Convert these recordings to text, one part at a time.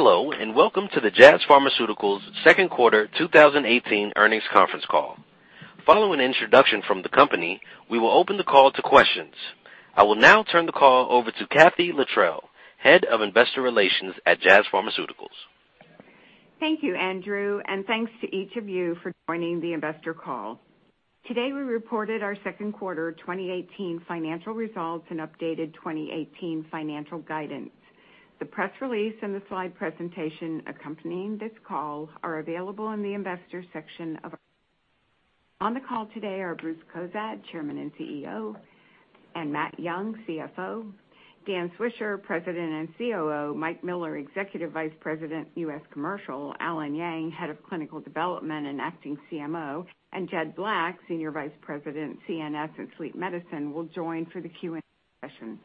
Hello, and welcome to the Jazz Pharmaceuticals second quarter 2018 earnings conference call. Following an introduction from the company, we will open the call to questions. I will now turn the call over to Kathee Littrell, Head of Investor Relations at Jazz Pharmaceuticals. Thank you, Andrew, and thanks to each of you for joining the investor call. Today, we reported our second quarter 2018 financial results and updated 2018 financial guidance. The press release and the slide presentation accompanying this call are available in the Investors section. On the call today are Bruce Cozadd, Chairman and CEO, and Matt Young, CFO, Dan Swisher, President and COO, Mike Miller, Executive Vice President, U.S. Commercial, Allen Yang, Head of Clinical Development and Acting CMO, and Jed Black, Senior Vice President, CNS and Sleep Medicine will join for the Q&A session.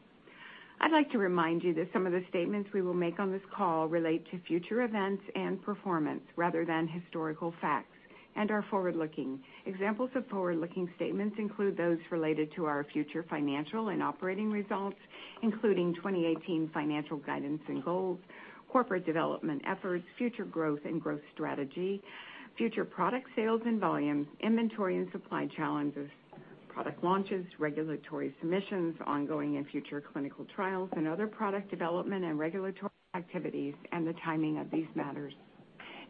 I'd like to remind you that some of the statements we will make on this call relate to future events and performance rather than historical facts and are forward-looking. Examples of forward-looking statements include those related to our future financial and operating results, including 2018 financial guidance and goals, corporate development efforts, future growth and growth strategy, future product sales and volumes, inventory and supply challenges, product launches, regulatory submissions, ongoing and future clinical trials, and other product development and regulatory activities, and the timing of these matters.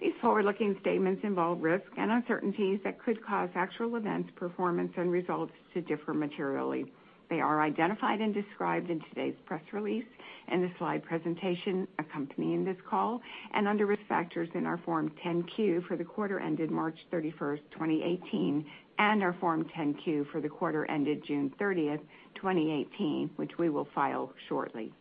These forward-looking statements involve risks and uncertainties that could cause actual events, performance, and results to differ materially. They are identified and described in today's press release and the slide presentation accompanying this call and under Risk Factors in our Form 10-Q for the quarter ended March 31, 2018, and our Form 10-Q for the quarter ended June 30, 2018, which we will file shortly.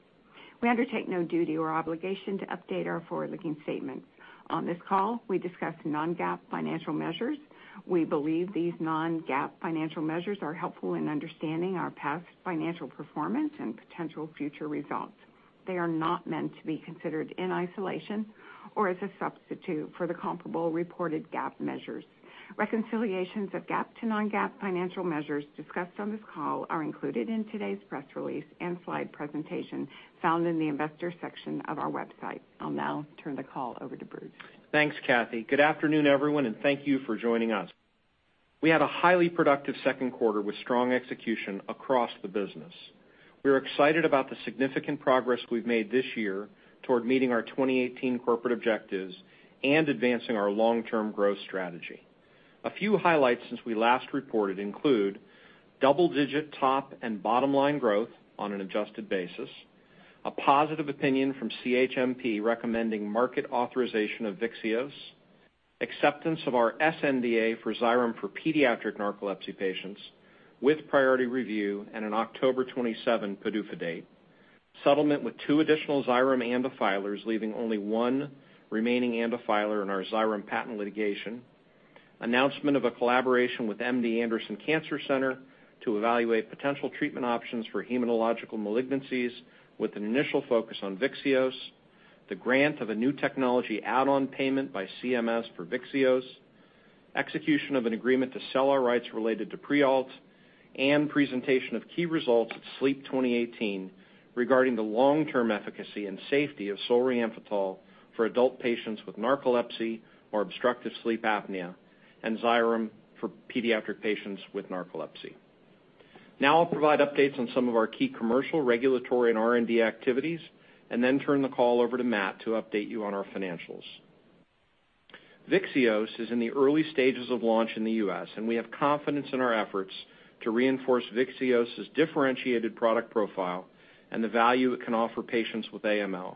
We undertake no duty or obligation to update our forward-looking statements. On this call, we discuss non-GAAP financial measures. We believe these non-GAAP financial measures are helpful in understanding our past financial performance and potential future results. They are not meant to be considered in isolation or as a substitute for the comparable reported GAAP measures. Reconciliations of GAAP to non-GAAP financial measures discussed on this call are included in today's press release and slide presentation found in the Investors section of our website. I'll now turn the call over to Bruce. Thanks, Kathee. Good afternoon, everyone, and thank you for joining us. We had a highly productive second quarter with strong execution across the business. We're excited about the significant progress we've made this year toward meeting our 2018 corporate objectives and advancing our long-term growth strategy. A few highlights since we last reported include double-digit top and bottom line growth on an adjusted basis, a positive opinion from CHMP recommending market authorization of Vyxeos, acceptance of our sNDA for Xyrem for pediatric narcolepsy patients with priority review and an October 27 PDUFA date, settlement with two additional Xyrem ANDA filers, leaving only one remaining ANDA filer in our Xyrem patent litigation, announcement of a collaboration with MD Anderson Cancer Center to evaluate potential treatment options for hematological malignancies with an initial focus on Vyxeos, the grant of a new technology add-on payment by CMS for Vyxeos, execution of an agreement to sell our rights related to Prialt, and presentation of key results at SLEEP 2018 regarding the long-term efficacy and safety of solriamfetol for adult patients with narcolepsy or obstructive sleep apnea and Xyrem for pediatric patients with narcolepsy. Now I'll provide updates on some of our key commercial, regulatory, and R&D activities and then turn the call over to Matt to update you on our financials. Vyxeos is in the early stages of launch in the U.S., and we have confidence in our efforts to reinforce Vyxeos' differentiated product profile and the value it can offer patients with AML.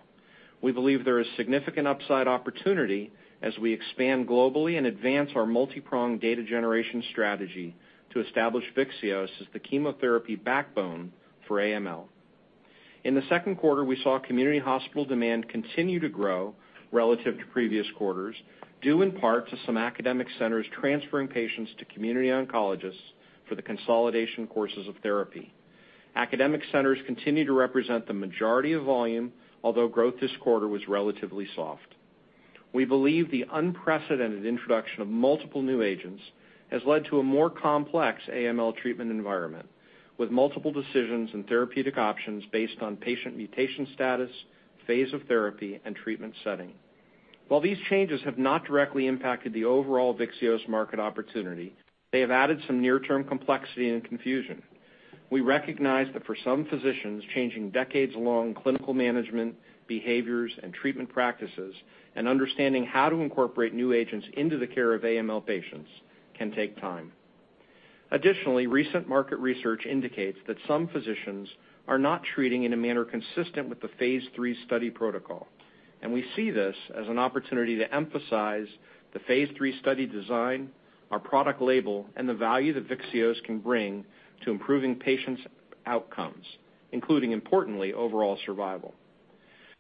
We believe there is a significant upside opportunity as we expand globally and advance our multipronged data generation strategy to establish Vyxeos as the chemotherapy backbone for AML. In the second quarter, we saw community hospital demand continue to grow relative to previous quarters, due in part to some academic centers transferring patients to community oncologists for the consolidation courses of therapy. Academic centers continue to represent the majority of volume, although growth this quarter was relatively soft. We believe the unprecedented introduction of multiple new agents has led to a more complex AML treatment environment, with multiple decisions and therapeutic options based on patient mutation status, phase of therapy, and treatment setting. While these changes have not directly impacted the overall Vyxeos market opportunity, they have added some near-term complexity and confusion. We recognize that for some physicians, changing decades-long clinical management behaviors and treatment practices and understanding how to incorporate new agents into the care of AML patients can take time. Additionally, recent market research indicates that some physicians are not treating in a manner consistent with the phase III study protocol, and we see this as an opportunity to emphasize the phase III study design, our product label, and the value that Vyxeos can bring to improving patients' outcomes, including, importantly, overall survival.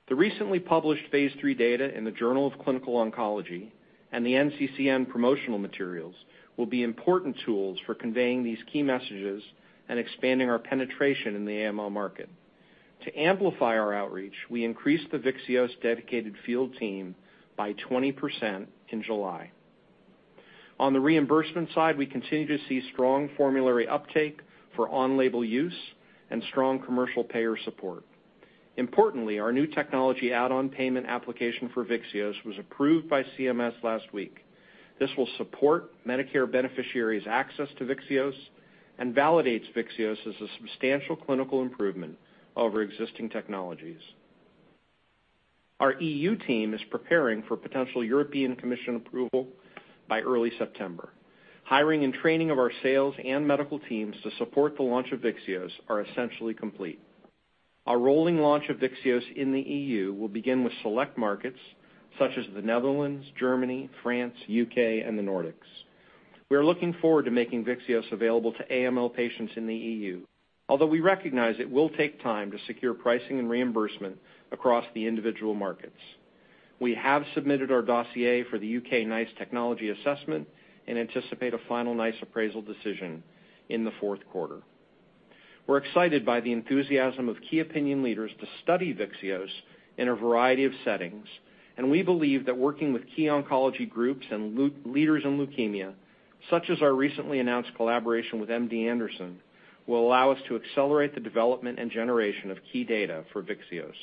The recently published phase III data in the Journal of Clinical Oncology and the NCCN promotional materials will be important tools for conveying these key messages and expanding our penetration in the AML market. To amplify our outreach, we increased the Vyxeos dedicated field team by 20% in July. On the reimbursement side, we continue to see strong formulary uptake for on-label use and strong commercial payer support. Importantly, our new technology add-on payment application for Vyxeos was approved by CMS last week. This will support Medicare beneficiaries' access to Vyxeos and validate Vyxeos as a substantial clinical improvement over existing technologies. Our EU team is preparing for potential European Commission approval by early September. Hiring and training of our sales and medical teams to support the launch of Vyxeos are essentially complete. Our rolling launch of Vyxeos in the EU will begin with select markets such as the Netherlands, Germany, France, UK, and the Nordics. We are looking forward to making Vyxeos available to AML patients in the EU, although we recognize it will take time to secure pricing and reimbursement across the individual markets. We have submitted our dossier for the UK NICE technology assessment and anticipate a final NICE appraisal decision in the fourth quarter. We're excited by the enthusiasm of key opinion leaders to study Vyxeos in a variety of settings, and we believe that working with key oncology groups and leaders in leukemia, such as our recently announced collaboration with MD Anderson, will allow us to accelerate the development and generation of key data for Vyxeos.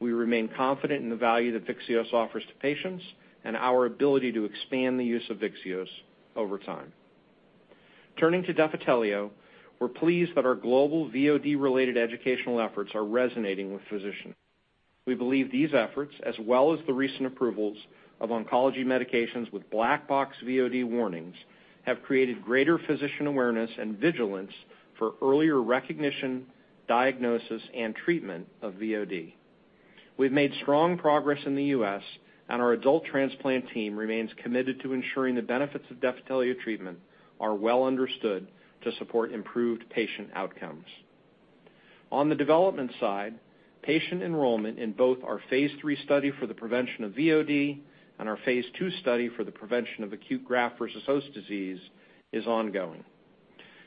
We remain confident in the value that Vyxeos offers to patients and our ability to expand the use of Vyxeos over time. Turning to Defitelio, we're pleased that our global VOD-related educational efforts are resonating with physicians. We believe these efforts, as well as the recent approvals of oncology medications with black box VOD warnings, have created greater physician awareness and vigilance for earlier recognition, diagnosis, and treatment of VOD. We've made strong progress in the U.S., and our adult transplant team remains committed to ensuring the benefits of Defitelio treatment are well understood to support improved patient outcomes. On the development side, patient enrollment in both our phase III study for the prevention of VOD and our phase II study for the prevention of acute graft versus host disease is ongoing.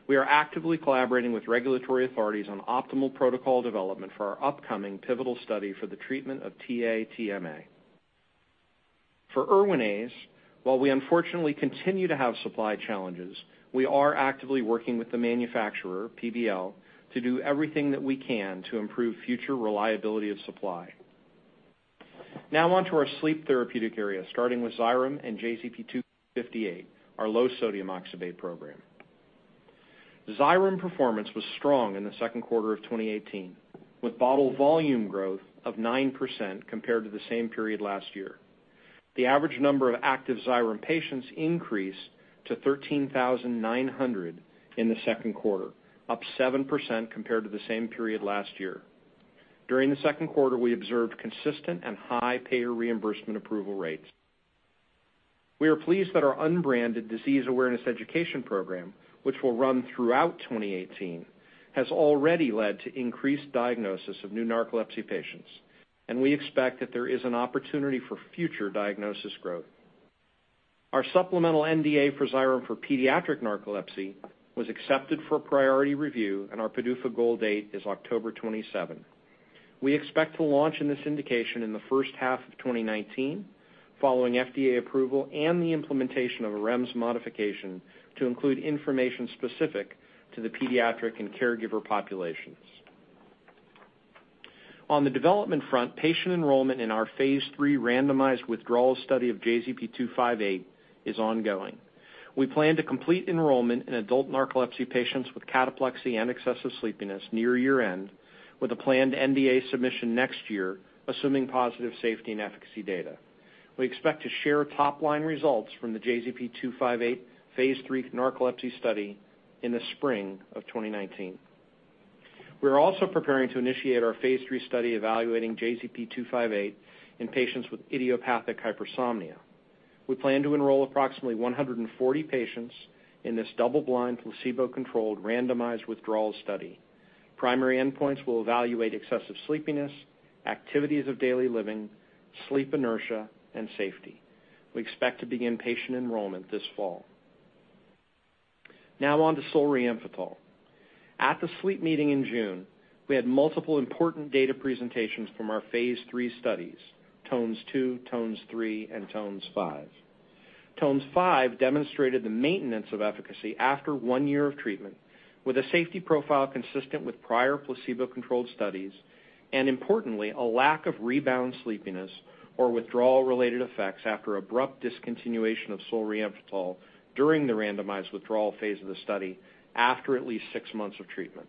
We are actively collaborating with regulatory authorities on optimal protocol development for our upcoming pivotal study for the treatment of TA-TMA. For Erwinaze, while we unfortunately continue to have supply challenges, we are actively working with the manufacturer, PBL, to do everything that we can to improve future reliability of supply. Now on to our sleep therapeutic area, starting with Xyrem and JZP-258, our low-sodium oxybate program. Xyrem performance was strong in the second quarter of 2018, with bottle volume growth of 9% compared to the same period last year. The average number of active Xyrem patients increased to 13,900 in the second quarter, up 7% compared to the same period last year. During the second quarter, we observed consistent and high payer reimbursement approval rates. We are pleased that our unbranded disease awareness education program, which will run throughout 2018, has already led to increased diagnosis of new narcolepsy patients, and we expect that there is an opportunity for future diagnosis growth. Our supplemental NDA for Xyrem for pediatric narcolepsy was accepted for priority review, and our PDUFA goal date is October 27. We expect to launch in this indication in the first half of 2019 following FDA approval and the implementation of a REMS modification to include information specific to the pediatric and caregiver populations. On the development front, patient enrollment in our phase III randomized withdrawal study of JZP-258 is ongoing. We plan to complete enrollment in adult narcolepsy patients with cataplexy and excessive sleepiness near year-end with a planned NDA submission next year, assuming positive safety and efficacy data. We expect to share top-line results from the JZP-258 phase III narcolepsy study in the spring of 2019. We are also preparing to initiate our phase III study evaluating JZP-258 in patients with idiopathic hypersomnia. We plan to enroll approximately 140 patients in this double-blind, placebo-controlled, randomized withdrawal study. Primary endpoints will evaluate excessive sleepiness, activities of daily living, sleep inertia, and safety. We expect to begin patient enrollment this fall. Now on to solriamfetol. At the sleep meeting in June, we had multiple important data presentations from our phase III studies, TONES-2, TONES-3, and TONES-5. TONES-5 demonstrated the maintenance of efficacy after one year of treatment with a safety profile consistent with prior placebo-controlled studies and, importantly, a lack of rebound sleepiness or withdrawal-related effects after abrupt discontinuation of solriamfetol during the randomized withdrawal phase of the study after at least six months of treatment.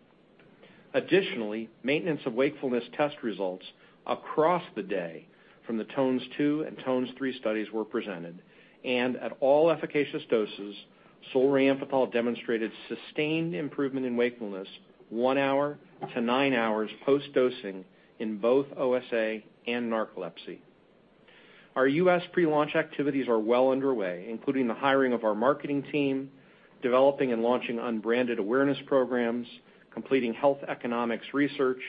Additionally, maintenance of wakefulness test results across the day from the TONES-2 and TONES-3 studies were presented, and at all efficacious doses, solriamfetol demonstrated sustained improvement in wakefulness 1 hour to 9 hours post-dosing in both OSA and narcolepsy. Our U.S. pre-launch activities are well underway, including the hiring of our marketing team, developing and launching unbranded awareness programs, completing health economics research,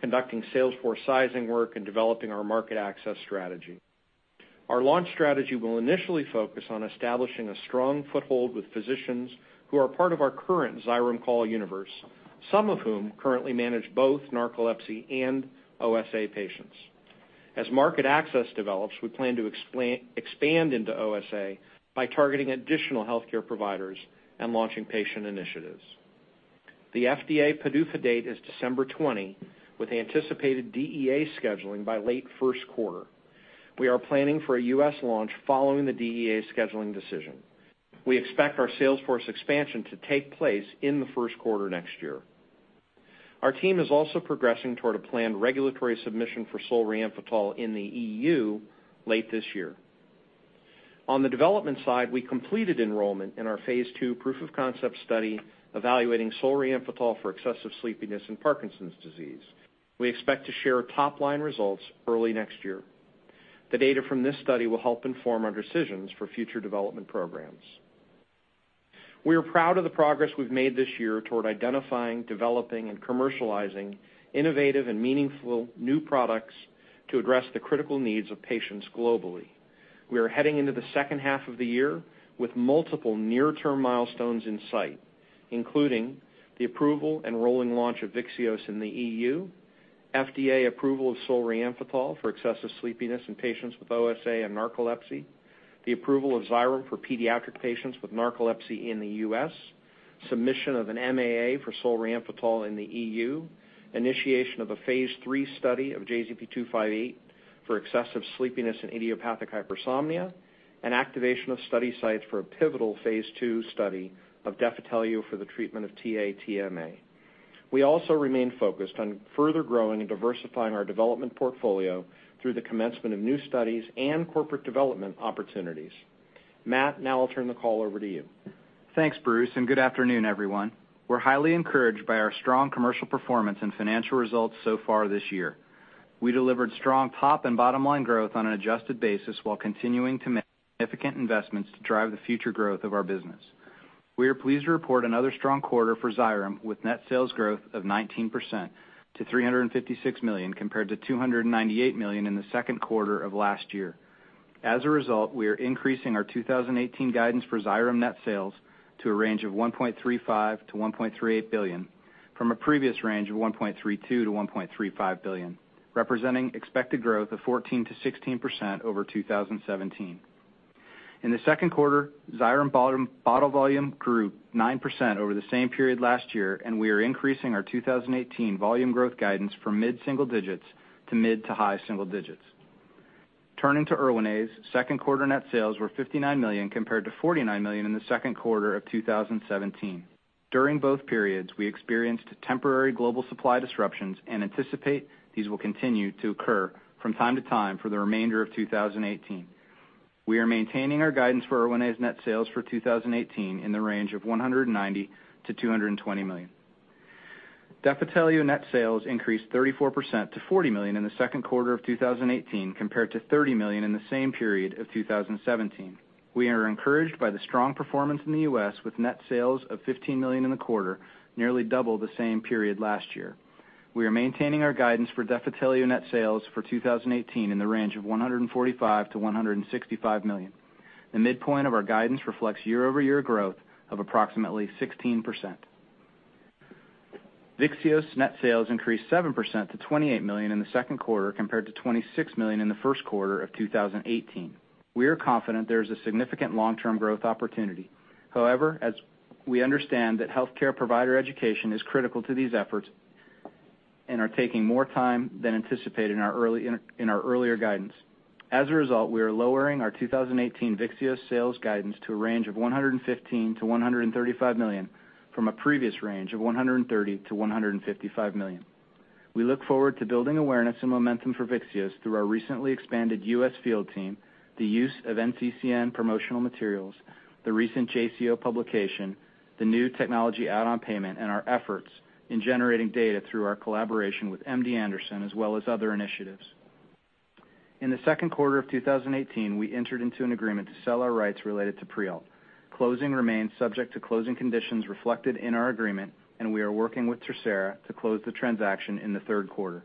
conducting sales force sizing work, and developing our market access strategy. Our launch strategy will initially focus on establishing a strong foothold with physicians who are part of our current Xyrem call universe, some of whom currently manage both narcolepsy and OSA patients. As market access develops, we plan to expand into OSA by targeting additional healthcare providers and launching patient initiatives. The FDA PDUFA date is December 20, with anticipated DEA scheduling by late first quarter. We are planning for a U.S. launch following the DEA scheduling decision. We expect our sales force expansion to take place in the first quarter next year. Our team is also progressing toward a planned regulatory submission for solriamfetol in the E.U. late this year. On the development side, we completed enrollment in our phase II proof of concept study evaluating solriamfetol for excessive sleepiness in Parkinson's disease. We expect to share top-line results early next year. The data from this study will help inform our decisions for future development programs. We are proud of the progress we've made this year toward identifying, developing, and commercializing innovative and meaningful new products to address the critical needs of patients globally. We are heading into the second half of the year with multiple near-term milestones in sight, including the approval and rolling launch of Vyxeos in the EU, FDA approval of solriamfetol for excessive sleepiness in patients with OSA and narcolepsy, the approval of Xyrem for pediatric patients with narcolepsy in the U.S., submission of an MAA for solriamfetol in the EU, initiation of a phase III study of JZP-258 for excessive sleepiness and idiopathic hypersomnia, and activation of study sites for a pivotal phase II study of Defitelio for the treatment of TA-TMA. We also remain focused on further growing and diversifying our development portfolio through the commencement of new studies and corporate development opportunities. Matt, now I'll turn the call over to you. Thanks, Bruce, and good afternoon, everyone. We're highly encouraged by our strong commercial performance and financial results so far this year. We delivered strong top and bottom line growth on an adjusted basis while continuing to make significant investments to drive the future growth of our business. We are pleased to report another strong quarter for Xyrem with net sales growth of 19% to $356 million compared to $298 million in the second quarter of last year. As a result, we are increasing our 2018 guidance for Xyrem net sales to a range of $1.35 billion-$1.38 billion, from a previous range of $1.32 billion-$1.35 billion, representing expected growth of 14%-16% over 2017. In the second quarter, Xyrem bottle volume grew 9% over the same period last year, and we are increasing our 2018 volume growth guidance from mid-single digits to mid-to-high single digits. Turning to Erwinaze, second quarter net sales were $59 million compared to $49 million in the second quarter of 2017. During both periods, we experienced temporary global supply disruptions and anticipate these will continue to occur from time to time for the remainder of 2018. We are maintaining our guidance for Erwinaze net sales for 2018 in the range of $190 million-$220 million. Defitelio net sales increased 34% to $40 million in the second quarter of 2018 compared to $30 million in the same period of 2017. We are encouraged by the strong performance in the US with net sales of $15 million in the quarter, nearly double the same period last year. We are maintaining our guidance for Defitelio net sales for 2018 in the range of $145 million-$165 million. The midpoint of our guidance reflects year-over-year growth of approximately 16%. Vyxeos net sales increased 7% to $28 million in the second quarter compared to $26 million in the first quarter of 2018. We are confident there is a significant long-term growth opportunity. However, as we understand that healthcare provider education is critical to these efforts and are taking more time than anticipated in our earlier guidance. As a result, we are lowering our 2018 Vyxeos sales guidance to a range of $115 million-$135 million from a previous range of $130 million-$155 million. We look forward to building awareness and momentum for Vyxeos through our recently expanded U.S. field team, the use of NCCN promotional materials, the recent JCO publication, the new technology add-on payment, and our efforts in generating data through our collaboration with MD Anderson, as well as other initiatives. In the second quarter of 2018, we entered into an agreement to sell our rights related to Prialt. Closing remains subject to closing conditions reflected in our agreement, and we are working with TerSera to close the transaction in the third quarter.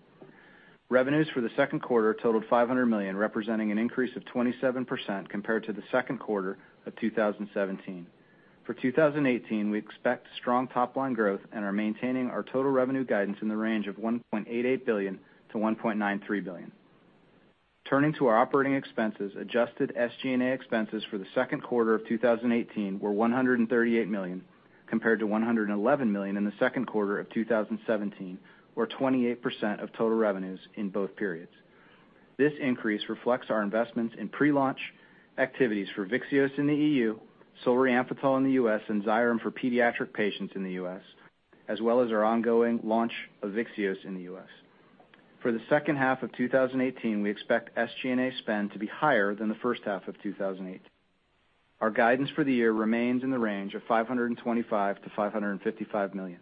Revenues for the second quarter totaled $500 million, representing an increase of 27% compared to the second quarter of 2017. For 2018, we expect strong top-line growth and are maintaining our total revenue guidance in the range of $1.88 billion-$1.93 billion. Turning to our operating expenses, adjusted SG&A expenses for the second quarter of 2018 were $138 million compared to $111 million in the second quarter of 2017, or 28% of total revenues in both periods. This increase reflects our investments in pre-launch activities for Vyxeos in the E.U., solriamfetol in the U.S., and Xyrem for pediatric patients in the U.S., as well as our ongoing launch of Vyxeos in the U.S. For the second half of 2018, we expect SG&A spend to be higher than the first half of 2018. Our guidance for the year remains in the range of $525 million-$555 million.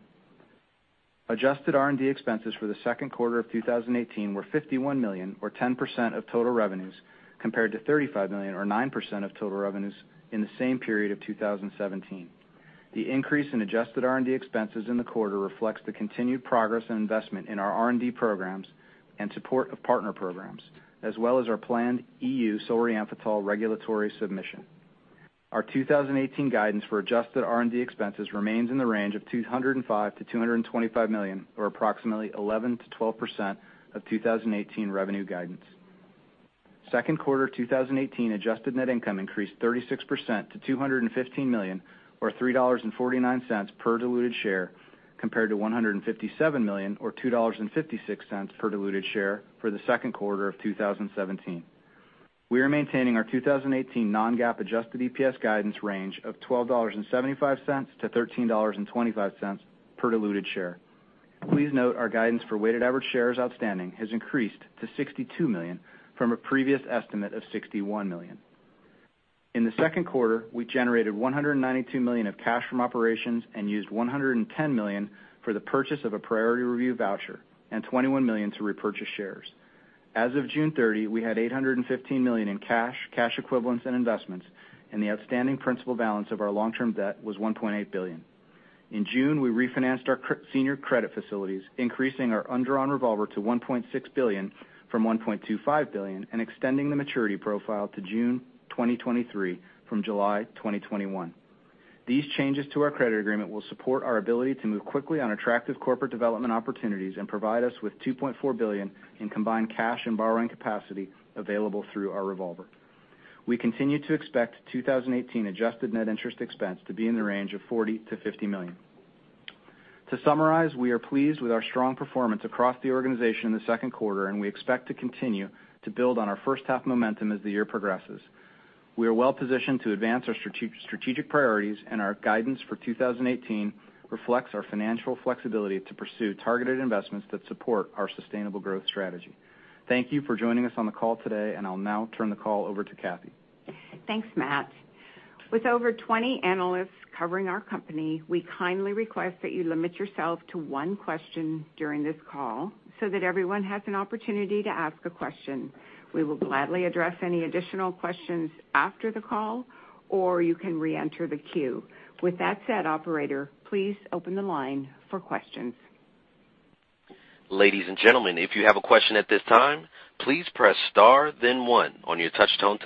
Adjusted R&D expenses for the second quarter of 2018 were $51 million, or 10% of total revenues, compared to $35 million, or 9% of total revenues, in the same period of 2017. The increase in adjusted R&D expenses in the quarter reflects the continued progress and investment in our R&D programs and support of partner programs, as well as our planned EU solriamfetol regulatory submission. Our 2018 guidance for adjusted R&D expenses remains in the range of $205 million-$225 million, or approximately 11%-12% of 2018 revenue guidance. Second quarter 2018 adjusted net income increased 36% to $215 million, or $3.49 per diluted share, compared to $157 million, or $2.56 per diluted share, for the second quarter of 2017. We are maintaining our 2018 non-GAAP adjusted EPS guidance range of $12.75-$13.25 per diluted share. Please note our guidance for weighted average shares outstanding has increased to $62 million from a previous estimate of $61 million. In the second quarter, we generated $192 million of cash from operations and used $110 million for the purchase of a priority review voucher and $21 million to repurchase shares. As of June 30, we had $815 million in cash equivalents and investments, and the outstanding principal balance of our long-term debt was $1.8 billion. In June, we refinanced our senior credit facilities, increasing our undrawn revolver to $1.6 billion from $1.25 billion and extending the maturity profile to June 2023 from July 2021. These changes to our credit agreement will support our ability to move quickly on attractive corporate development opportunities and provide us with $2.4 billion in combined cash and borrowing capacity available through our revolver. We continue to expect 2018 adjusted net interest expense to be in the range of $40 million-$50 million. To summarize, we are pleased with our strong performance across the organization in the second quarter, and we expect to continue to build on our first-half momentum as the year progresses. We are well positioned to advance our strategic priorities, and our guidance for 2018 reflects our financial flexibility to pursue targeted investments that support our sustainable growth strategy. Thank you for joining us on the call today, and I'll now turn the call over to Kathee. Thanks, Matt. With over 20 analysts covering our company, we kindly request that you limit yourself to one question during this call so that everyone has an opportunity to ask a question. We will gladly address any additional questions after the call, or you can reenter the queue. With that said, operator, please open the line for questions. Ladies and gentlemen, if you have a question at this time, please press star then one on your touchtone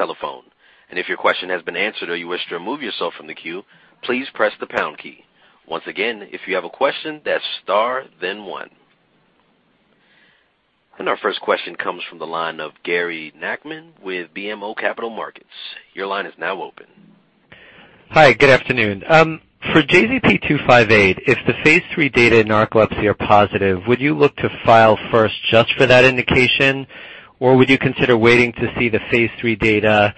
telephone. If your question has been answered or you wish to remove yourself from the queue, please press the pound key. Once again, if you have a question, that's star then one. Our first question comes from the line of Gary Nachman with BMO Capital Markets. Your line is now open. Hi, good afternoon. For JZP-258, if the phase III data in narcolepsy are positive, would you look to file first just for that indication, or would you consider waiting to see the phase III data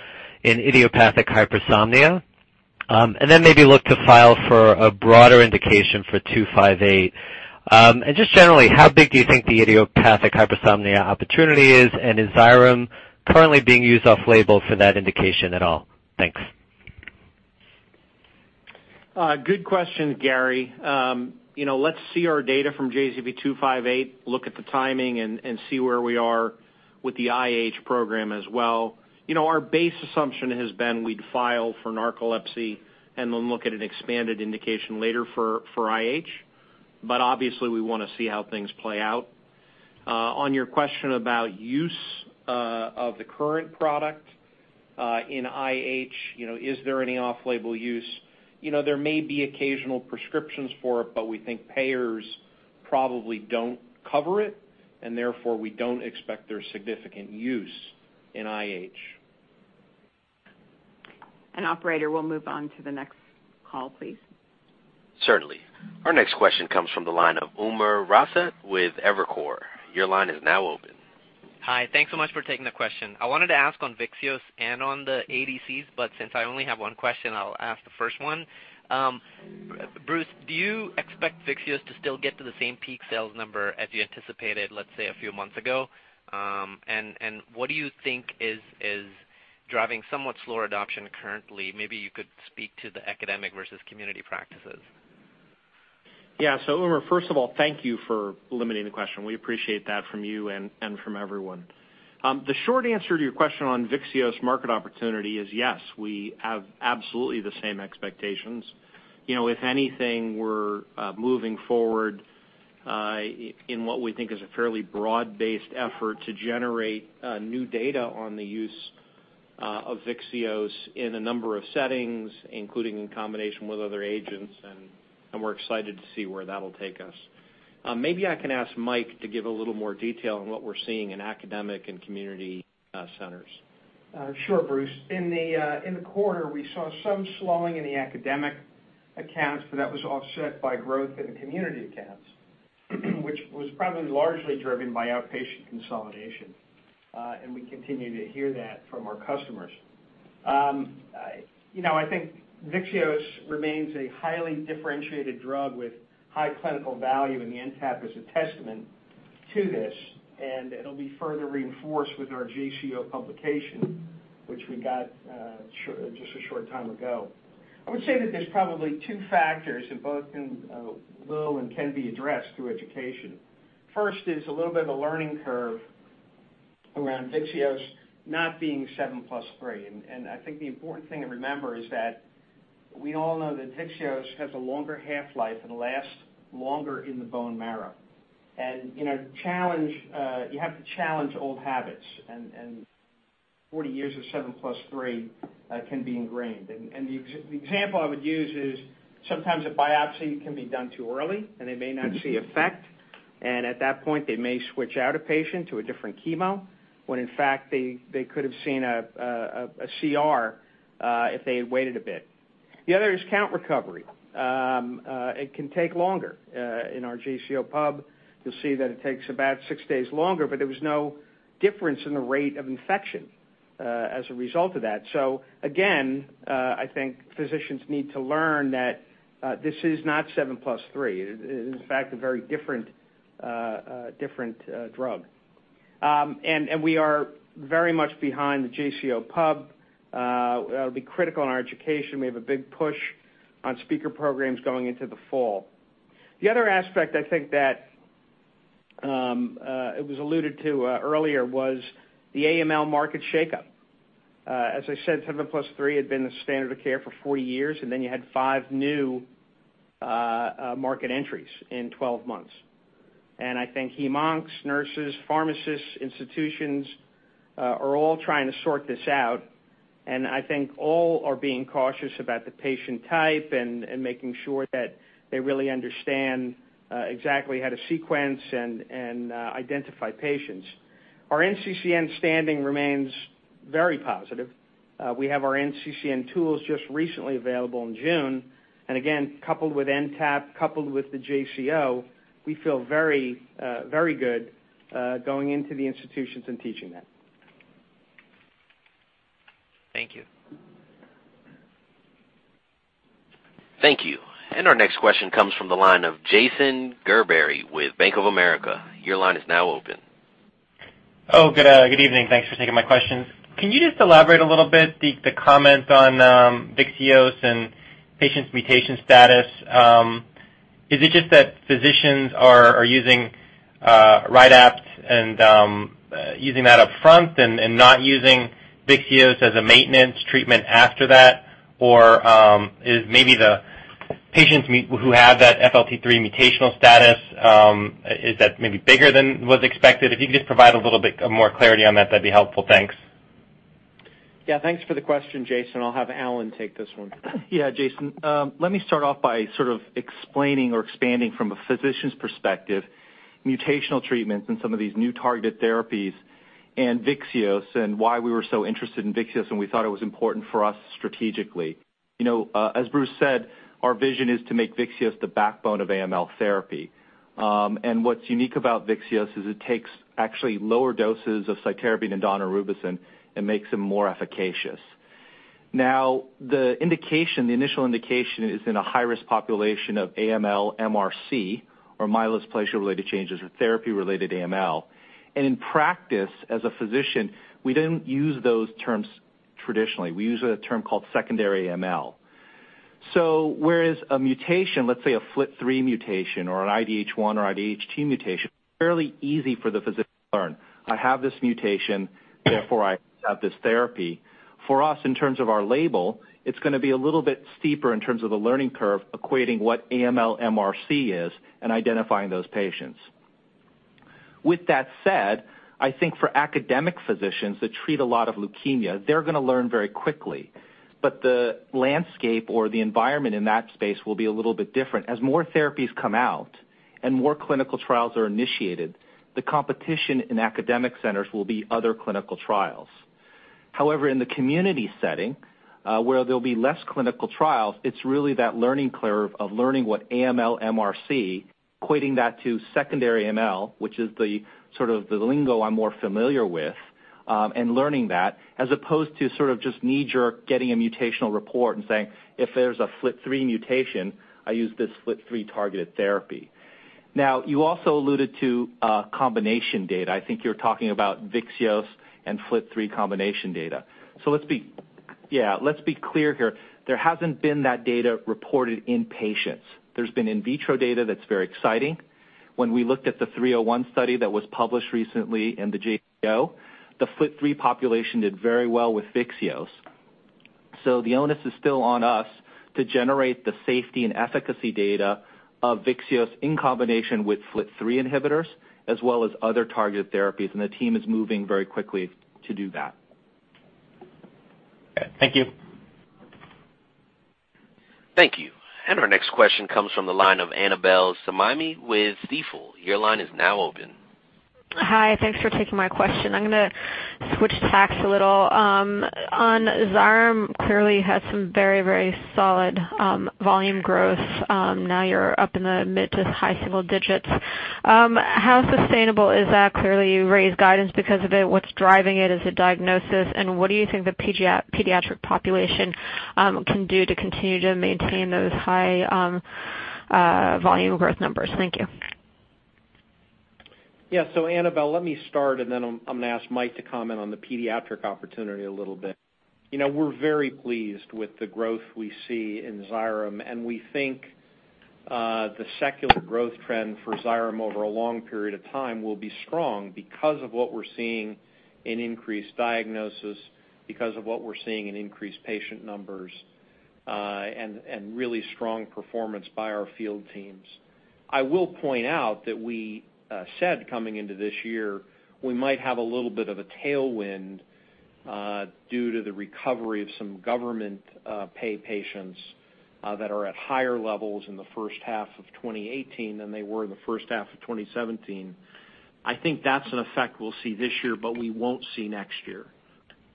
in idiopathic hypersomnia? Then maybe look to file for a broader indication for 258. Just generally, how big do you think the idiopathic hypersomnia opportunity is, and is Xyrem currently being used off label for that indication at all? Thanks. Good question, Gary. You know, let's see our data from JZP-258, look at the timing and see where we are with the IH program as well. You know, our base assumption has been we'd file for narcolepsy and then look at an expanded indication later for IH. Obviously, we wanna see how things play out. On your question about use of the current product in IH, you know, is there any off-label use? You know, there may be occasional prescriptions for it, but we think payers probably don't cover it, and therefore, we don't expect there's significant use in IH. Operator, we'll move on to the next call, please. Certainly. Our next question comes from the line of Umer Raffat with Evercore. Your line is now open. Hi. Thanks so much for taking the question. I wanted to ask on Vyxeos and on the ADCs, but since I only have one question, I'll ask the first one. Bruce, do you expect Vyxeos to still get to the same peak sales number as you anticipated, let's say, a few months ago? What do you think is driving somewhat slower adoption currently? Maybe you could speak to the academic versus community practices. Yeah. Umer, first of all, thank you for limiting the question. We appreciate that from you and from everyone. The short answer to your question on Vyxeos market opportunity is, yes, we have absolutely the same expectations. You know, if anything, we're moving forward in what we think is a fairly broad-based effort to generate new data on the use of Vyxeos in a number of settings, including in combination with other agents, and we're excited to see where that'll take us. Maybe I can ask Mike to give a little more detail on what we're seeing in academic and community centers. Sure, Bruce. In the quarter, we saw some slowing in the academic accounts, but that was offset by growth in the community accounts, which was probably largely driven by outpatient consolidation. We continue to hear that from our customers. You know, I think Vyxeos remains a highly differentiated drug with high clinical value, and the NTAP is a testament to this, and it'll be further reinforced with our JCO publication, which we got just a short time ago. I would say that there's probably two factors, and both can, will and can be addressed through education. First is a little bit of a learning curve around Vyxeos not being seven plus three. I think the important thing to remember is that we all know that Vyxeos has a longer half-life and lasts longer in the bone marrow. In a challenge, you have to challenge old habits, and 40 years of 7 plus 3 can be ingrained. The example I would use is sometimes a biopsy can be done too early, and they may not see effect. At that point, they may switch out a patient to a different chemo, when in fact they could have seen a CR if they had waited a bit. The other is count recovery. It can take longer in our JCO pub to see that it takes about 6 days longer, but there was no difference in the rate of infection as a result of that. Again, I think physicians need to learn that this is not 7 plus 3. It is, in fact, a very different drug. We are very much behind the JCO pub. That'll be critical in our education. We have a big push on speaker programs going into the fall. The other aspect I think that it was alluded to earlier was the AML market shakeup. As I said, 7+3 had been the standard of care for 40 years, and then you had five new market entries in 12 months. I think hemons, nurses, pharmacists, institutions are all trying to sort this out. I think all are being cautious about the patient type and making sure that they really understand exactly how to sequence and identify patients. Our NCCN standing remains very positive. We have our NCCN tools just recently available in June. Again, coupled with NTAP, coupled with the JCO, we feel very good going into the institutions and teaching that. Thank you. Thank you. Our next question comes from the line of Jason Gerberry with Bank of America. Your line is now open. Oh, good evening. Thanks for taking my questions. Can you just elaborate a little bit the comment on Vyxeos and patients' mutation status? Is it just that physicians are using Rydapt and using that upfront and not using Vyxeos as a maintenance treatment after that? Or is maybe the patients who have that FLT3 mutational status, is that maybe bigger than was expected? If you could just provide a little bit more clarity on that'd be helpful. Thanks. Yeah, thanks for the question, Jason. I'll have Allen take this one. Yeah, Jason, let me start off by sort of explaining or expanding from a physician's perspective, mutational treatments and some of these new targeted therapies and Vyxeos and why we were so interested in Vyxeos, and we thought it was important for us strategically. You know, as Bruce said, our vision is to make Vyxeos the backbone of AML therapy. What's unique about Vyxeos is it takes actually lower doses of cytarabine and daunorubicin and makes them more efficacious. Now, the indication, the initial indication is in a high-risk population of AML-MRC or myelodysplasia-related changes or therapy-related AML. In practice, as a physician, we didn't use those terms traditionally. We use a term called secondary AML. Whereas a mutation, let's say a FLT3 mutation or an IDH1 or IDH2 mutation, is fairly easy for the physician to learn. I have this mutation, therefore I have this therapy. For us, in terms of our label, it's gonna be a little bit steeper in terms of the learning curve equating what AML-MRC is and identifying those patients. With that said, I think for academic physicians that treat a lot of leukemia, they're gonna learn very quickly. But the landscape or the environment in that space will be a little bit different. As more therapies come out and more clinical trials are initiated, the competition in academic centers will be other clinical trials. However, in the community setting, where there'll be less clinical trials, it's really that learning curve of learning what AML-MRC, equating that to secondary AML, which is the sort of the lingo I'm more familiar with, and learning that as opposed to sort of just knee-jerk getting a mutational report and saying, "If there's a FLT3 mutation, I use this FLT3-targeted therapy." Now, you also alluded to, combination data. I think you're talking about Vyxeos and FLT3 combination data. So let's be, yeah, let's be clear here. There hasn't been that data reported in patients. There's been in vitro data that's very exciting. When we looked at the EV-301 study that was published recently in the JCO, the FLT3 population did very well with Vyxeos. The onus is still on us to generate the safety and efficacy data of Vyxeos in combination with FLT3 inhibitors as well as other targeted therapies, and the team is moving very quickly to do that. Thank you. Thank you. Our next question comes from the line of Annabel Samimy with Stifel. Your line is now open. Hi. Thanks for taking my question. I'm gonna switch tacks a little. On Xyrem, clearly you had some very, very solid volume growth. Now you're up in the mid- to high-single digits. How sustainable is that? Clearly, you raised guidance because of it. What's driving it as a diagnosis? What do you think the pediatric population can do to continue to maintain those high volume growth numbers? Thank you. Yeah. Annabel, let me start, and then I'm gonna ask Mike to comment on the pediatric opportunity a little bit. You know, we're very pleased with the growth we see in Xyrem, and we think The secular growth trend for Xyrem over a long period of time will be strong because of what we're seeing in increased diagnosis, because of what we're seeing in increased patient numbers, and really strong performance by our field teams. I will point out that we said coming into this year we might have a little bit of a tailwind due to the recovery of some government pay patients that are at higher levels in the first half of 2018 than they were in the first half of 2017. I think that's an effect we'll see this year but we won't see next year.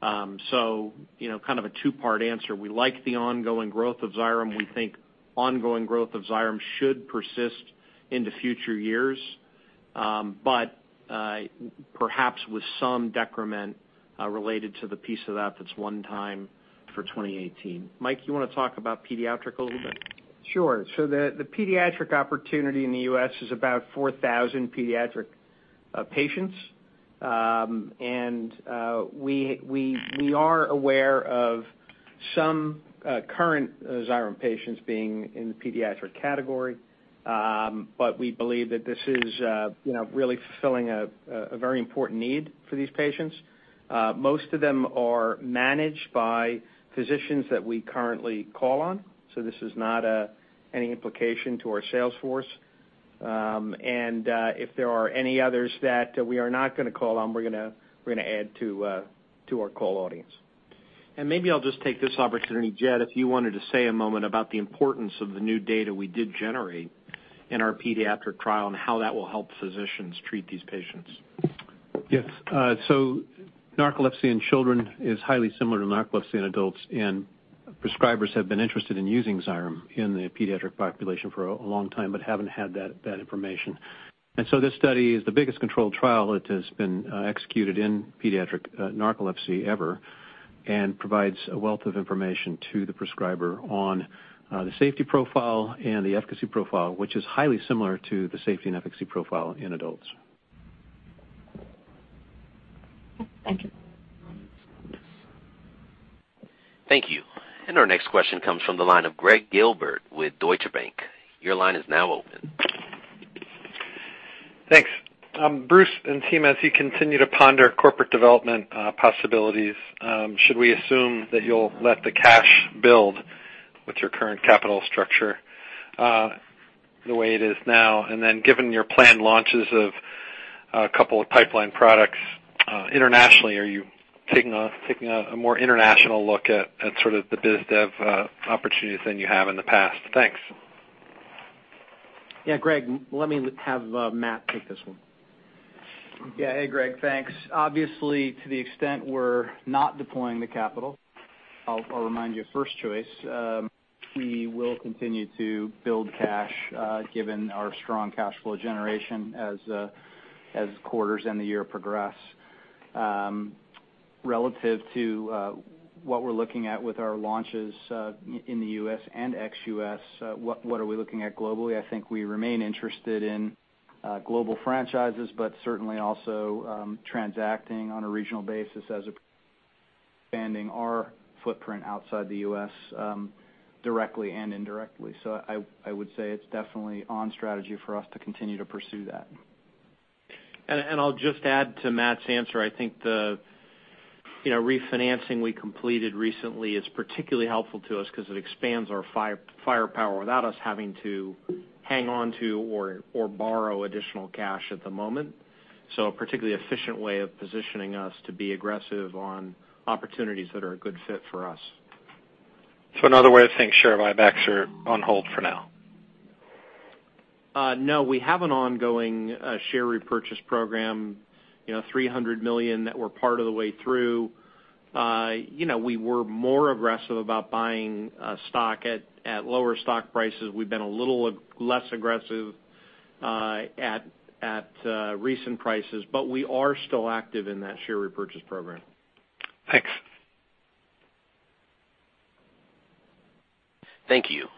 You know, kind of a two-part answer. We like the ongoing growth of Xyrem. We think ongoing growth of Xyrem should persist into future years, but perhaps with some decrement related to the piece of that that's one-time for 2018. Mike, you wanna talk about pediatric a little bit? Sure. The pediatric opportunity in the U.S. is about 4,000 pediatric patients. We are aware of some current Xyrem patients being in the pediatric category. We believe that this is you know, really fulfilling a very important need for these patients. Most of them are managed by physicians that we currently call on, so this is not any implication to our sales force. If there are any others that we are not gonna call on, we're gonna add to our call audience. Maybe I'll just take this opportunity, Jed, if you wanted to say a moment about the importance of the new data we did generate in our pediatric trial and how that will help physicians treat these patients. Yes. Narcolepsy in children is highly similar to narcolepsy in adults, and prescribers have been interested in using Xyrem in the pediatric population for a long time, but haven't had that information. This study is the biggest controlled trial that has been executed in pediatric narcolepsy ever and provides a wealth of information to the prescriber on the safety profile and the efficacy profile, which is highly similar to the safety and efficacy profile in adults. Thank you. Thank you. Our next question comes from the line of Gregg Gilbert with Deutsche Bank. Your line is now open. Thanks, Bruce and team. As you continue to ponder corporate development possibilities, should we assume that you'll let the cash build with your current capital structure, the way it is now? Given your planned launches of a couple of pipeline products, internationally, are you taking a more international look at sort of the BizDev opportunities than you have in the past? Thanks. Yeah. Gregg, let me have Matt take this one. Yeah. Hey, Gregg. Thanks. Obviously, to the extent we're not deploying the capital, I'll remind you of first choice. We will continue to build cash, given our strong cash flow generation as quarters and the year progress. Relative to what we're looking at with our launches in the U.S. and ex-U.S., what are we looking at globally, I think we remain interested in global franchises, but certainly also transacting on a regional basis as expanding our footprint outside the U.S., directly and indirectly. I would say it's definitely on strategy for us to continue to pursue that. I'll just add to Matt's answer. I think the, you know, refinancing we completed recently is particularly helpful to us 'cause it expands our firepower without us having to hang on to or borrow additional cash at the moment. A particularly efficient way of positioning us to be aggressive on opportunities that are a good fit for us. Another way of saying share buybacks are on hold for now. No. We have an ongoing share repurchase program, you know, $300 million that we're part of the way through. You know, we were more aggressive about buying stock at lower stock prices. We've been a little less aggressive at recent prices. We are still active in that share repurchase program. Thanks. Thank you.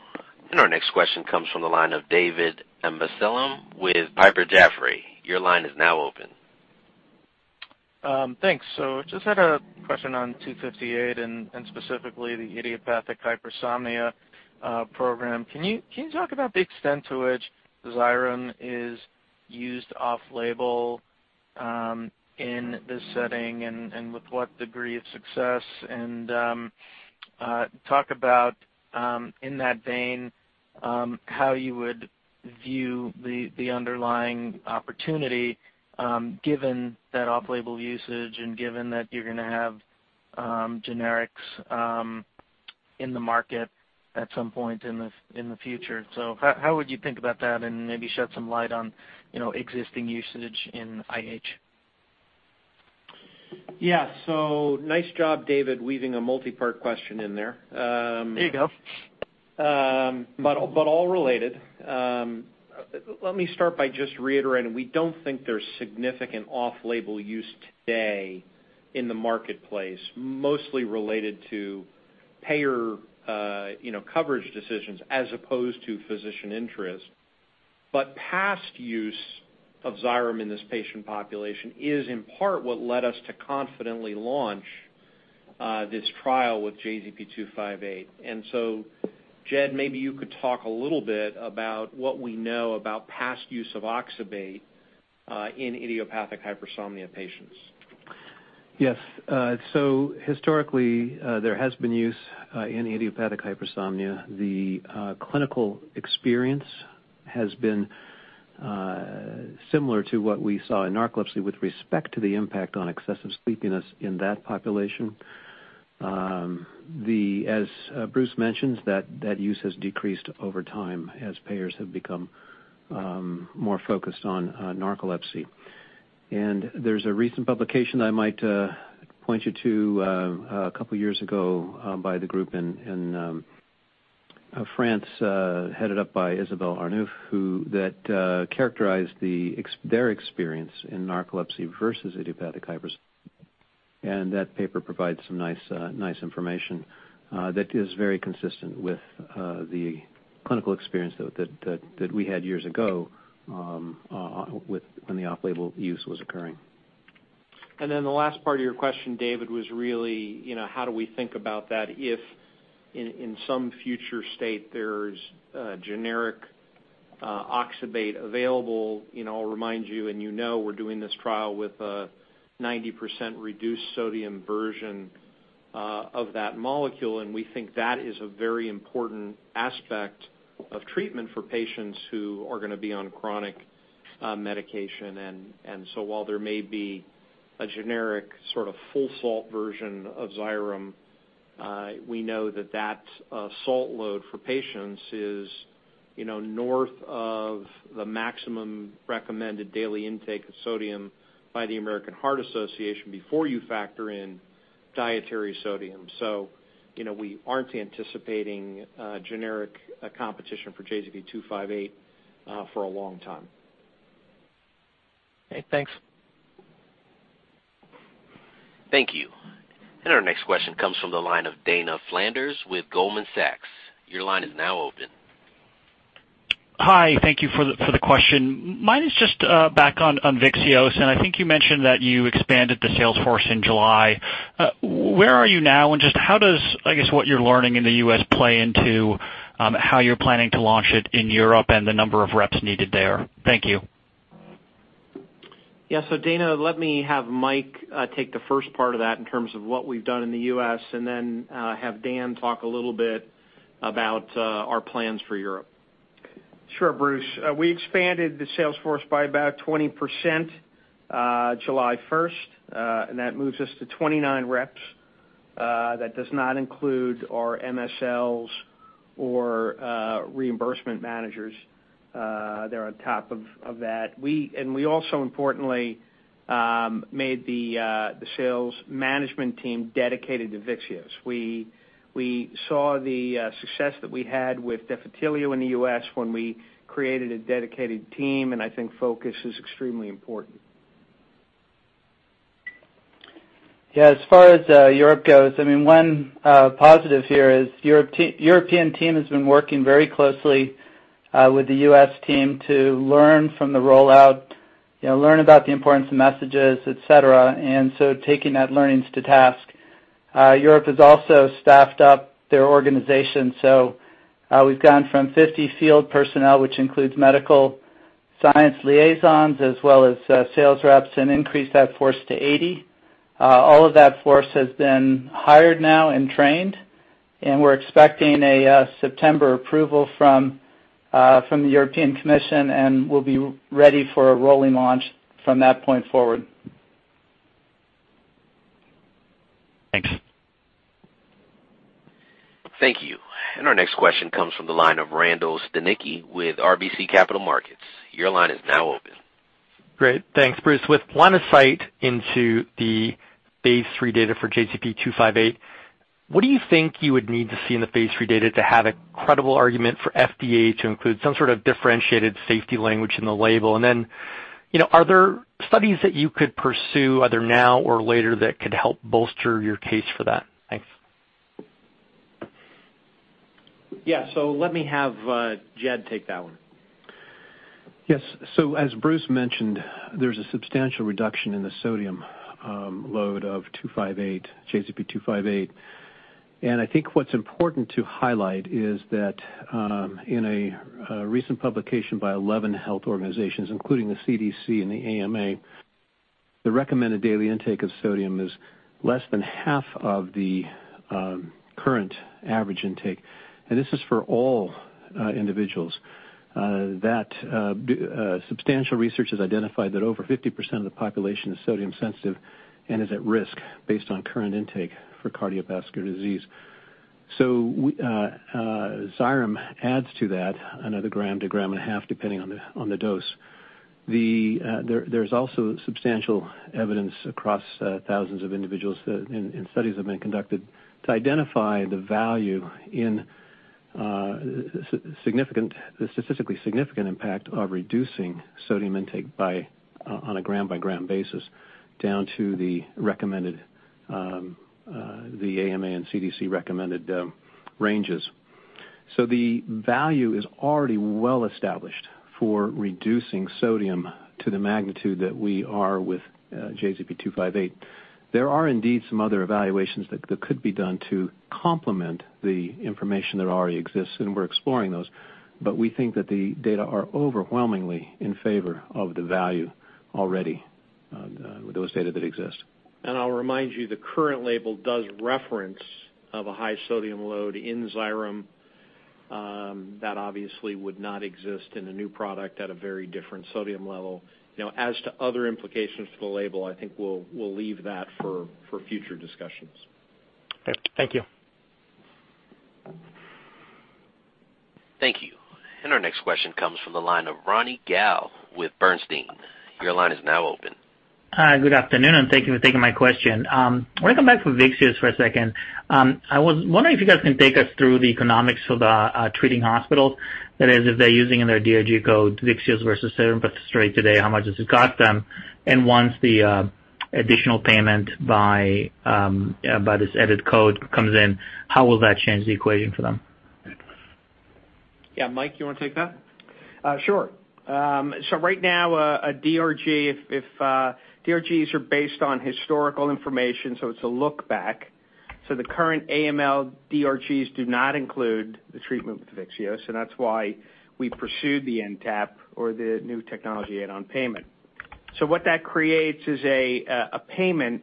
Our next question comes from the line of David Amsellem with Piper Jaffray. Your line is now open. Thanks. Just had a question on 258 and specifically the idiopathic hypersomnia program. Can you talk about the extent to which Xyrem is used off-label in this setting and with what degree of success? Talk about it in that vein, how you would view the underlying opportunity, given that off-label usage and given that you're gonna have generics in the market at some point in the future. How would you think about that and maybe shed some light on, you know, existing usage in IH? Yeah. Nice job, David, weaving a multi-part question in there. There you go. Let me start by just reiterating, we don't think there's significant off-label use today in the marketplace, mostly related to payer, you know, coverage decisions as opposed to physician interest. Past use of Xyrem in this patient population is in part what led us to confidently launch this trial with JZP-258. Jed, maybe you could talk a little bit about what we know about past use of oxybate in idiopathic hypersomnia patients. Historically, there has been use in idiopathic hypersomnia. The clinical experience has been similar to what we saw in narcolepsy with respect to the impact on excessive sleepiness in that population. As Bruce mentions, that use has decreased over time as payers have become more focused on narcolepsy. There's a recent publication I might point you to, a couple years ago, by the group in France, headed up by Isabelle Arnulf, that characterized their experience in narcolepsy versus idiopathic hypersomnia. That paper provides some nice information that is very consistent with the clinical experience that we had years ago when the off-label use was occurring. The last part of your question, David, was really, you know, how do we think about that if in some future state there's a generic oxybate available. You know, I'll remind you, and you know we're doing this trial with a 90% reduced sodium version of that molecule, and we think that is a very important aspect of treatment for patients who are gonna be on chronic medication. While there may be a generic sort of full salt version of Xyrem, we know that salt load for patients is, you know, north of the maximum recommended daily intake of sodium by the American Heart Association before you factor in dietary sodium. You know, we aren't anticipating generic competition for JZP-258 for a long time. Okay, thanks. Thank you. Our next question comes from the line of Dana Flanders with Goldman Sachs. Your line is now open. Hi, thank you for the question. Mine is just back on Vyxeos, and I think you mentioned that you expanded the sales force in July. Where are you now? Just how does, I guess, what you're learning in the U.S. play into how you're planning to launch it in Europe and the number of reps needed there? Thank you. Dana, let me have Mike take the first part of that in terms of what we've done in the U.S. and then have Dan talk a little bit about our plans for Europe. Sure, Bruce. We expanded the sales force by about 20%,;July first, and that moves us to 29 reps. That does not include our MSLs or reimbursement managers. They're on top of that. We also importantly made the sales management team dedicated to Vyxeos. We saw the success that we had with Defitelio in the U.S. when we created a dedicated team, and I think focus is extremely important. Yeah. As far as Europe goes, I mean, one positive here is the European team has been working very closely with the U.S. team to learn from the rollout, you know, learn about the importance of messages, et cetera, and so taking that learnings to task. Europe has also staffed up their organization. We've gone from 50 field personnel, which includes medical science liaisons as well as sales reps, and increased that force to 80. All of that force has been hired now and trained, and we're expecting a September approval from the European Commission, and we'll be ready for a rolling launch from that point forward. Thanks. Thank you. Our next question comes from the line of Randall Stanicky with RBC Capital Markets. Your line is now open. Great. Thanks, Bruce. With one insight into the phase III data for JZP-258, what do you think you would need to see in the phase III data to have a credible argument for FDA to include some sort of differentiated safety language in the label? You know, are there studies that you could pursue either now or later that could help bolster your case for that? Thanks. Yeah. Let me have Jed take that one. Yes. As Bruce mentioned, there's a substantial reduction in the sodium load of 258, JZP-258. I think what's important to highlight is that in a recent publication by 11 health organizations, including the CDC and the AMA, the recommended daily intake of sodium is less than half of the current average intake. This is for all individuals. Substantial research has identified that over 50% of the population is sodium sensitive and is at risk based on current intake for cardiovascular disease. Xyrem adds to that another gram to a gram and a half, depending on the dose. There's also substantial evidence across thousands of individuals in studies that have been conducted to identify the value in statistically significant impact of reducing sodium intake by one on a gram-by-gram basis down to the AMA and CDC recommended ranges. The value is already well established for reducing sodium to the magnitude that we are with JZP-258. There are indeed some other evaluations that could be done to complement the information that already exists, and we're exploring those. We think that the data are overwhelmingly in favor of the value already with those data that exist. I'll remind you, the current label does reference a high sodium load in Xyrem. That obviously would not exist in a new product at a very different sodium level. Now, as to other implications to the label, I think we'll leave that for future discussions. Okay. Thank you. Thank you. Our next question comes from the line of Ronny Gal with Bernstein. Your line is now open. Hi, good afternoon, and thank you for taking my question. Welcome back from Vyxeos for a second. I was wondering if you guys can take us through the economics of the treating hospitals. That is, if they're using in their DRG code Vyxeos versus 7 + 3 today, how much does it cost them? Once the additional payment by this edit code comes in, how will that change the equation for them? Yeah. Mike, you wanna take that? Sure. Right now, a DRG, if DRGs are based on historical information, so it's a look back. The current AML DRGs do not include the treatment with Vyxeos, and that's why we pursued the NTAP or the new technology add-on payment. What that creates is a payment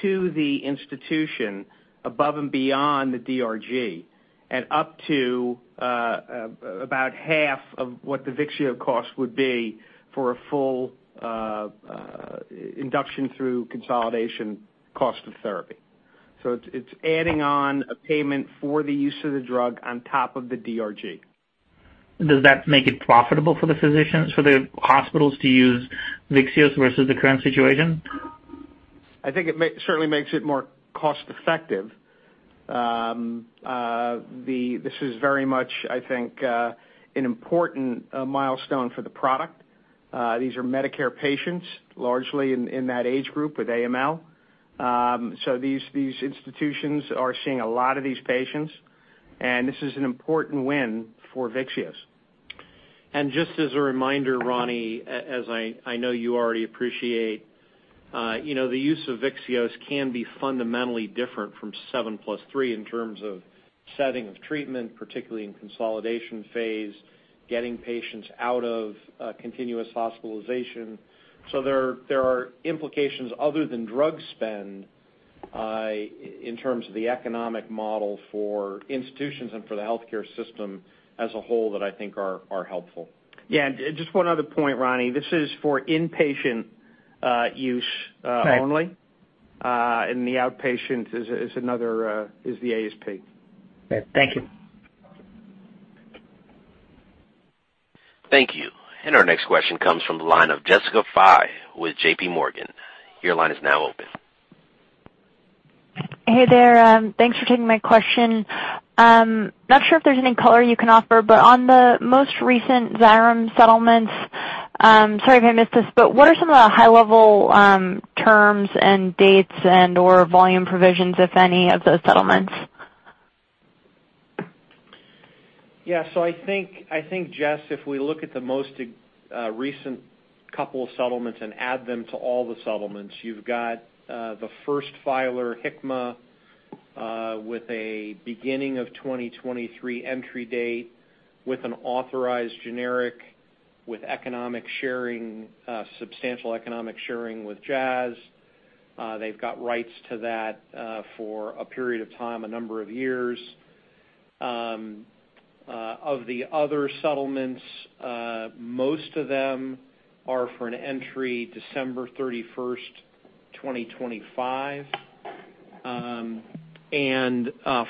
to the institution above and beyond the DRG and up to about half of what the Vyxeos cost would be for a full induction through consolidation cost of therapy. It's adding on a payment for the use of the drug on top of the DRG. Does that make it profitable for the physicians, for the hospitals to use Vyxeos versus the current situation? I think it certainly makes it more cost effective. This is very much, I think, an important milestone for the product. These are Medicare patients largely in that age group with AML. These institutions are seeing a lot of these patients, and this is an important win for Vyxeos. Just as a reminder, Ronny, as I know you already appreciate, you know, the use of Vyxeos can be fundamentally different from 7+3 in terms of setting of treatment, particularly in consolidation phase, getting patients out of continuous hospitalization. There are implications other than drug spend in terms of the economic model for institutions and for the healthcare system as a whole that I think are helpful. Yeah, just one other point, Ronnie. This is for inpatient use. Right Only. The outpatient is another ASP. Okay. Thank you. Thank you. Our next question comes from the line of Jessica Fye with JPMorgan. Your line is now open. Hey there. Thanks for taking my question. Not sure if there's any color you can offer, but on the most recent Xyrem settlements, sorry if I missed this, but what are some of the high level terms and dates and/or volume provisions, if any, of those settlements? Yeah. I think, Jess, if we look at the most recent couple of settlements and add them to all the settlements, you've got the first filer, Hikma, with a beginning of 2023 entry date with an authorized generic with economic sharing, substantial economic sharing with Jazz. They've got rights to that for a period of time, a number of years. Of the other settlements, most of them are for an entry December 31, 2025.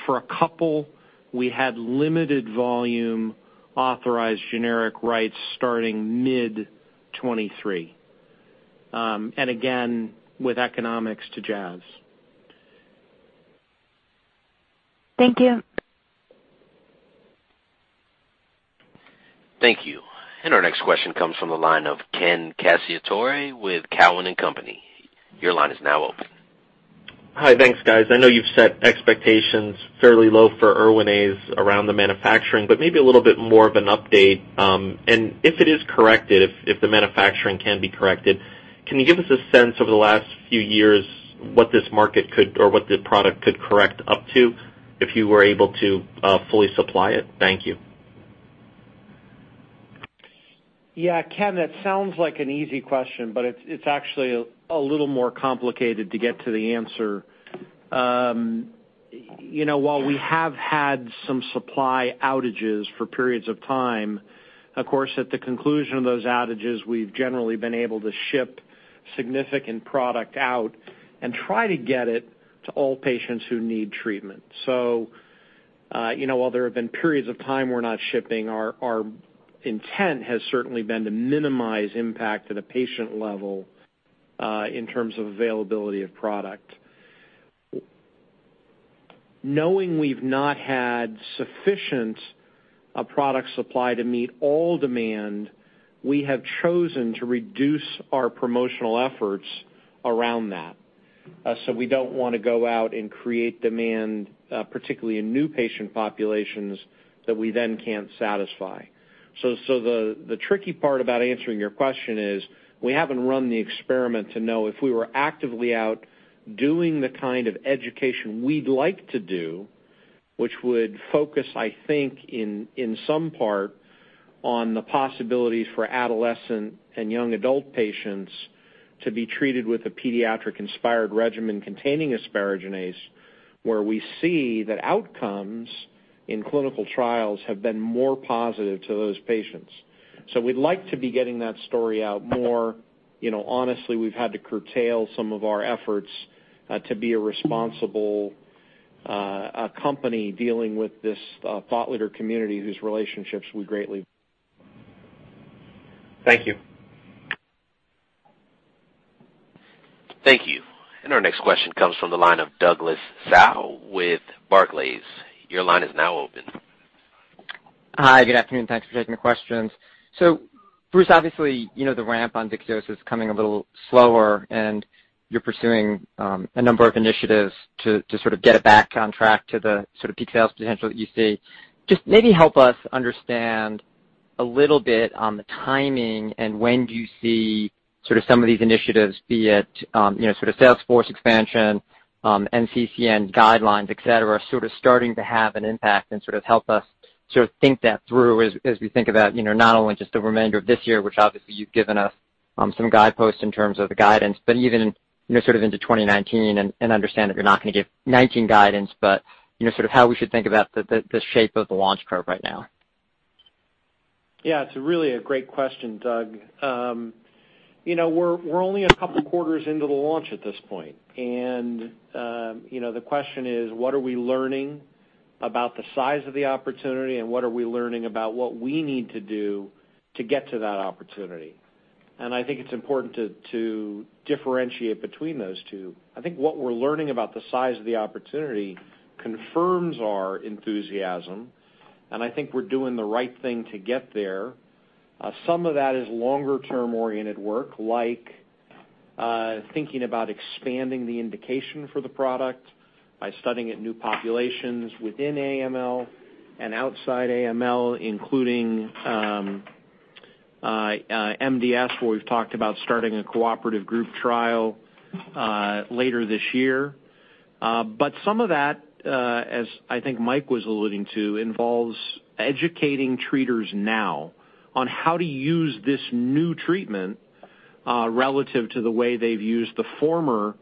For a couple we had limited volume authorized generic rights starting mid-2023. And again, with economics to Jazz. Thank you. Thank you. Our next question comes from the line of Ken Cacciatore with Cowen and Company. Your line is now open. Hi. Thanks, guys. I know you've set expectations fairly low for Erwinaze around the manufacturing, but maybe a little bit more of an update. If the manufacturing can be corrected, can you give us a sense over the last few years what this market could or what the product could correct up to if you were able to fully supply it? Thank you. Yeah, Ken, that sounds like an easy question, but it's actually a little more complicated to get to the answer. You know, while we have had some supply outages for periods of time, of course, at the conclusion of those outages, we've generally been able to ship significant product out and try to get it to all patients who need treatment. You know, while there have been periods of time we're not shipping, our intent has certainly been to minimize impact at a patient level, in terms of availability of product. Knowing we've not had sufficient product supply to meet all demand, we have chosen to reduce our promotional efforts around that. We don't wanna go out and create demand, particularly in new patient populations that we then can't satisfy. The tricky part about answering your question is we haven't run the experiment to know if we were actively out doing the kind of education we'd like to do, which would focus, I think, in some part on the possibilities for adolescent and young adult patients to be treated with a pediatric-inspired regimen containing asparaginase, where we see that outcomes in clinical trials have been more positive to those patients. We'd like to be getting that story out more. You know, honestly, we've had to curtail some of our efforts to be a responsible company dealing with this thought leader community whose relationships we greatly value. Thank you. Thank you. Our next question comes from the line of Douglas Tsao with Barclays. Your line is now open. Hi, good afternoon. Thanks for taking the questions. Bruce, obviously, you know, the ramp on Vyxeos is coming a little slower, and you're pursuing a number of initiatives to sort of get it back on track to the sort of peak sales potential that you see. Just maybe help us understand a little bit on the timing and when do you see sort of some of these initiatives, be it, you know, sort of sales force expansion, NCCN guidelines, et cetera, sort of starting to have an impact and sort of help us sort of think that through as we think about, you know, not only just the remainder of this year, which obviously you've given us, some guideposts in terms of the guidance, but even, you know, sort of into 2019 and understand that you're not gonna give 2019 guidance, but, you know, sort of how we should think about the shape of the launch curve right now. Yeah, it's really a great question, Doug. You know, we're only a couple quarters into the launch at this point. You know, the question is, what are we learning about the size of the opportunity, and what are we learning about what we need to do to get to that opportunity? I think it's important to differentiate between those two. I think what we're learning about the size of the opportunity confirms our enthusiasm, and I think we're doing the right thing to get there. Some of that is longer term-oriented work, like thinking about expanding the indication for the product by studying it in new populations within AML and outside AML, including MDS, where we've talked about starting a cooperative group trial later this year. Some of that, as I think Mike was alluding to, involves educating treaters now on how to use this new treatment, relative to the way they've used the former,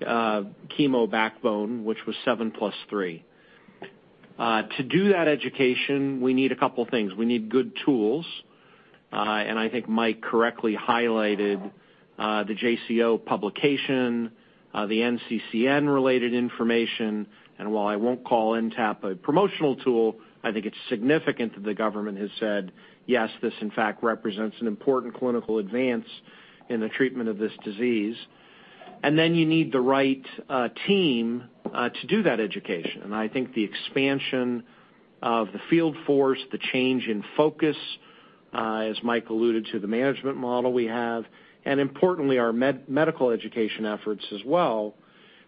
chemo backbone, which was 7 + 3. To do that education, we need a couple things. We need good tools, and I think Mike correctly highlighted, the JCO publication, the NCCN-related information, and while I won't call NTAP a promotional tool, I think it's significant that the government has said, "Yes, this in fact represents an important clinical advance in the treatment of this disease." Then you need the right, team, to do that education. I think the expansion of the field force, the change in focus, as Mike alluded to the management model we have, and importantly, our medical education efforts as well.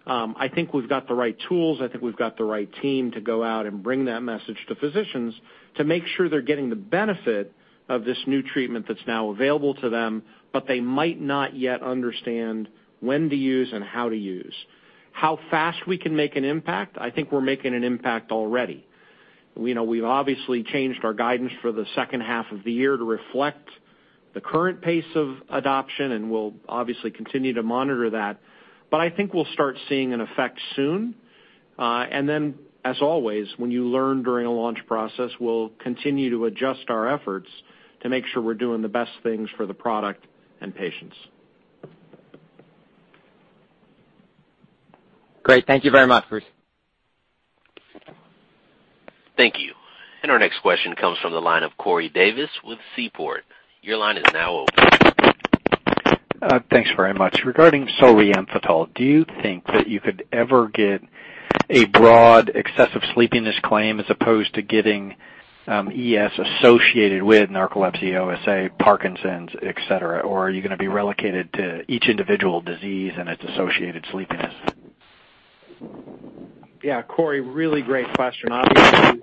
I think we've got the right tools. I think we've got the right team to go out and bring that message to physicians to make sure they're getting the benefit of this new treatment that's now available to them, but they might not yet understand when to use and how to use. How fast we can make an impact? I think we're making an impact already. We know we've obviously changed our guidance for the second half of the year to reflect the current pace of adoption, and we'll obviously continue to monitor that. I think we'll start seeing an effect soon. As always, when you learn during a launch process, we'll continue to adjust our efforts to make sure we're doing the best things for the product and patients. Great. Thank you very much, Bruce. Thank you. Our next question comes from the line of Corey Davis with Seaport. Your line is now open. Thanks very much. Regarding solriamfetol, do you think that you could ever get a broad excessive sleepiness claim as opposed to getting ES associated with narcolepsy, OSA, Parkinson's, et cetera? Or are you gonna be relegated to each individual disease and its associated sleepiness? Yeah, Corey, really great question. Obviously,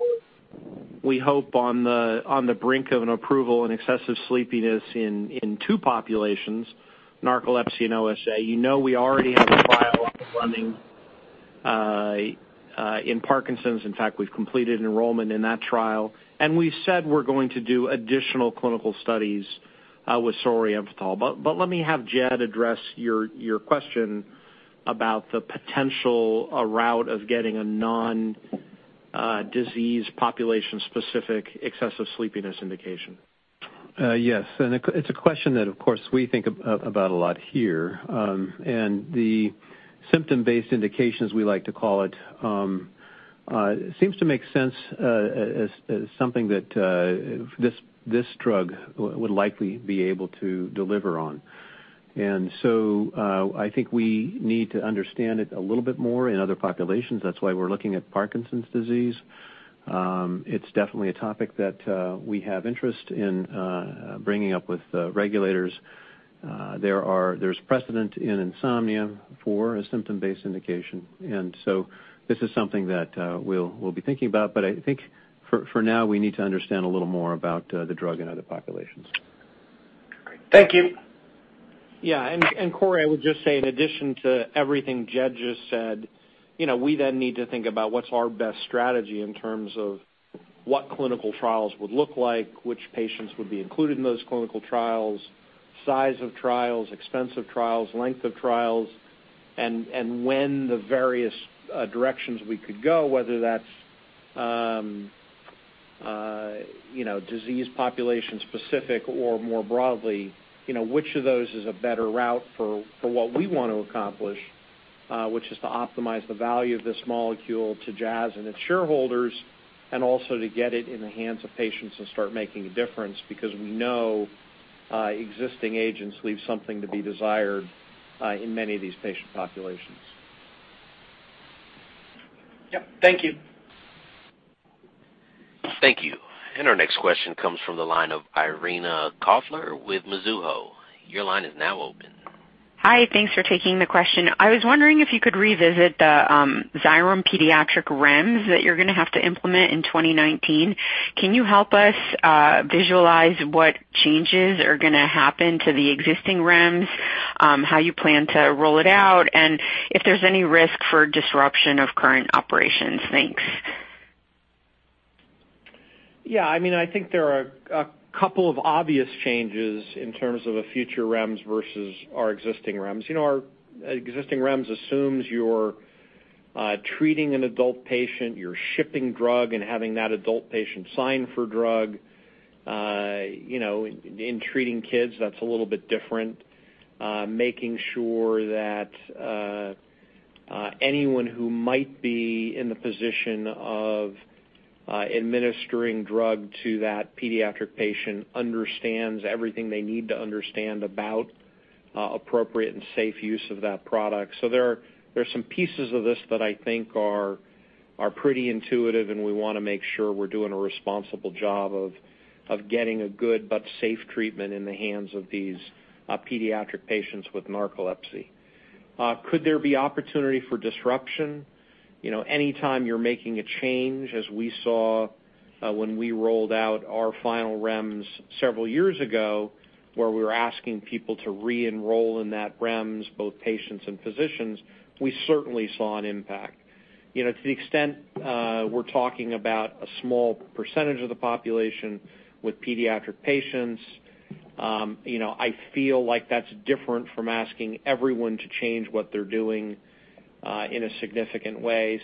we hope on the brink of approval in excessive sleepiness in two populations, narcolepsy and OSA. You know, we already have a trial up and running in Parkinson's. In fact, we've completed enrollment in that trial, and we said we're going to do additional clinical studies with solriamfetol. But let me have Jed address your question about the potential route of getting a non-disease population-specific excessive sleepiness indication. Yes. It's a question that of course we think about a lot here. The symptom-based indications we like to call it seems to make sense as something that this drug would likely be able to deliver on. I think we need to understand it a little bit more in other populations. That's why we're looking at Parkinson's disease. It's definitely a topic that we have interest in bringing up with regulators. There's precedent in insomnia for a symptom-based indication. This is something that we'll be thinking about, but I think for now, we need to understand a little more about the drug in other populations. Great. Thank you. Yeah. Corey, I would just say in addition to everything Jed just said, you know, we then need to think about what's our best strategy in terms of what clinical trials would look like, which patients would be included in those clinical trials, size of trials, expense of trials, length of trials, and when the various directions we could go, whether that's, you know, disease population-specific or more broadly. You know, which of those is a better route for what we want to accomplish, which is to optimize the value of this molecule to Jazz and its shareholders, and also to get it in the hands of patients and start making a difference because we know existing agents leave something to be desired in many of these patient populations. Yep, thank you. Thank you. Our next question comes from the line of Irina Koffler with Mizuho. Your line is now open. Hi. Thanks for taking the question. I was wondering if you could revisit the Xyrem pediatric REMS that you're gonna have to implement in 2019. Can you help us visualize what changes are gonna happen to the existing REMS, how you plan to roll it out, and if there's any risk for disruption of current operations? Thanks. Yeah, I mean, I think there are a couple of obvious changes in terms of a future REMS versus our existing REMS. You know, our existing REMS assumes you're treating an adult patient, you're shipping drug and having that adult patient sign for drug. You know, in treating kids, that's a little bit different. Making sure that anyone who might be in the position of administering drug to that pediatric patient understands everything they need to understand about appropriate and safe use of that product. So there are some pieces of this that I think are pretty intuitive, and we wanna make sure we're doing a responsible job of getting a good but safe treatment in the hands of these pediatric patients with narcolepsy. Could there be opportunity for disruption? You know, anytime you're making a change, as we saw, when we rolled out our final REMS several years ago, where we were asking people to re-enroll in that REMS, both patients and physicians, we certainly saw an impact. You know, to the extent, we're talking about a small percentage of the population with pediatric patients, you know, I feel like that's different from asking everyone to change what they're doing, in a significant way.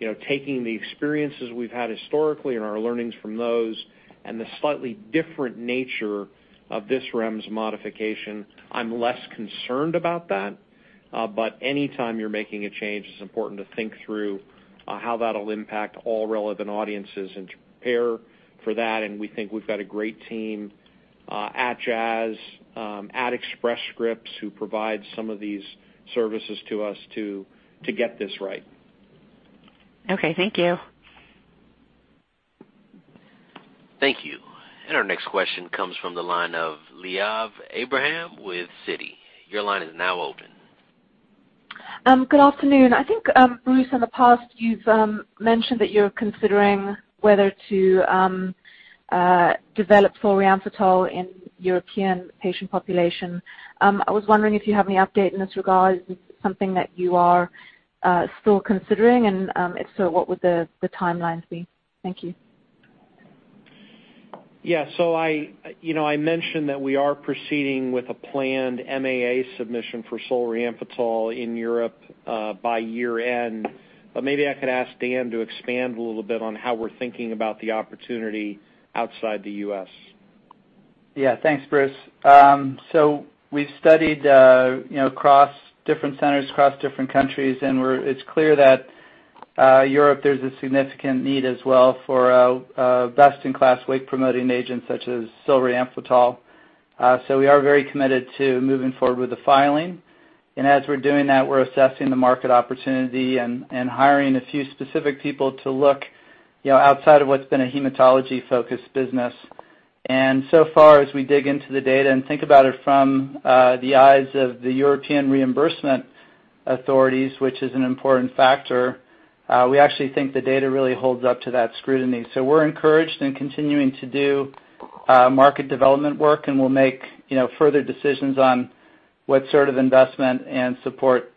You know, taking the experiences we've had historically and our learnings from those and the slightly different nature of this REMS modification, I'm less concerned about that. Any time you're making a change, it's important to think through, how that'll impact all relevant audiences and to prepare for that. We think we've got a great team at Jazz at Express Scripts who provide some of these services to us to get this right. Okay, thank you. Thank you. Our next question comes from the line of Liav Abraham with Citi. Your line is now open. Good afternoon. I think, Bruce, in the past, you've mentioned that you're considering whether to develop solriamfetol in European patient population. I was wondering if you have any update in this regard. Is it something that you are still considering? If so, what would the timeline be? Thank you. I, you know, I mentioned that we are proceeding with a planned MAA submission for solriamfetol in Europe by year-end. But maybe I could ask Dan to expand a little bit on how we're thinking about the opportunity outside the U.S. Yeah. Thanks, Bruce. We studied you know across different centers across different countries and it's clear that Europe there's a significant need as well for a best-in-class wake-promoting agent such as solriamfetol. We are very committed to moving forward with the filing. As we're doing that, we're assessing the market opportunity and hiring a few specific people to look you know outside of what's been a hematology-focused business. So far, as we dig into the data and think about it from the eyes of the European reimbursement authorities, which is an important factor, we actually think the data really holds up to that scrutiny. We're encouraged and continuing to do market development work, and we'll make, you know, further decisions on what sort of investment and support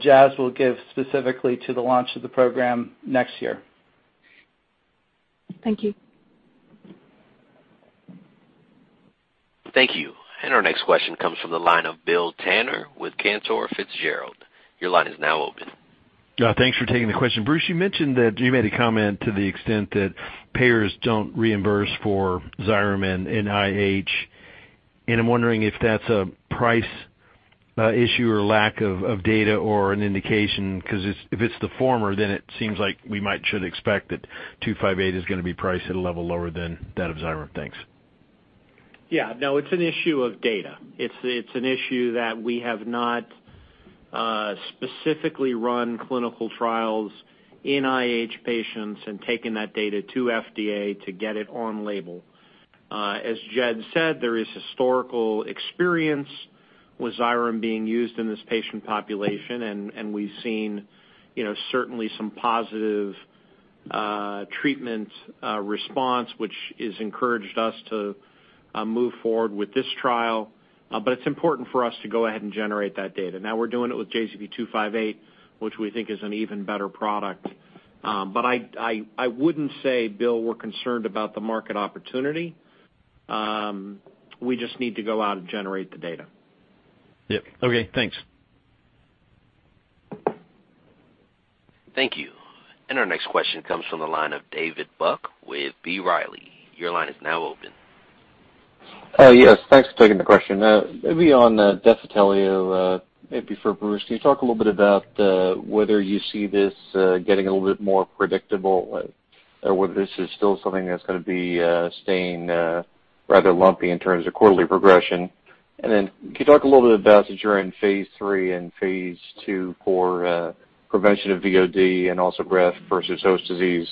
Jazz will give specifically to the launch of the program next year. Thank you. Thank you. Our next question comes from the line of Bill Tanner with Cantor Fitzgerald. Your line is now open. Thanks for taking the question. Bruce, you mentioned that you made a comment to the extent that payers don't reimburse for Xyrem and IH. I'm wondering if that's a price. Issue or lack of data or an indication, 'cause if it's the former, then it seems like we might should expect that JZP-258 is gonna be priced at a level lower than that of Xyrem. Thanks. Yeah. No, it's an issue of data. It's an issue that we have not specifically run clinical trials in IH patients and taken that data to FDA to get it on label. As Jed said, there is historical experience with Xyrem being used in this patient population, and we've seen, you know, certainly some positive treatment response, which has encouraged us to move forward with this trial. It's important for us to go ahead and generate that data. Now, we're doing it with JZP-258, which we think is an even better product. I wouldn't say, Bill, we're concerned about the market opportunity. We just need to go out and generate the data. Yep. Okay, thanks. Thank you. Our next question comes from the line of David Buck with B. Riley. Your line is now open. Yes, thanks for taking the question. Maybe on Defitelio, maybe for Bruce. Can you talk a little bit about whether you see this getting a little bit more predictable, or whether this is still something that's gonna be staying rather lumpy in terms of quarterly progression? Can you talk a little bit about as you're in phase III and phase II for prevention of VOD and also graft versus host disease.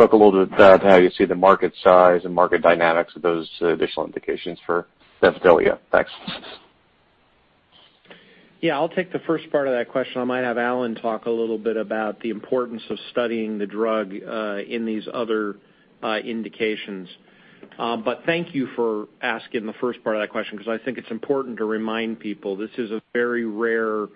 Talk a little bit about how you see the market size and market dynamics of those additional indications for Defitelio. Thanks. Yeah, I'll take the first part of that question. I might have Allen talk a little bit about the importance of studying the drug in these other indications. Thank you for asking the first part of that question 'cause I think it's important to remind people this is a very rare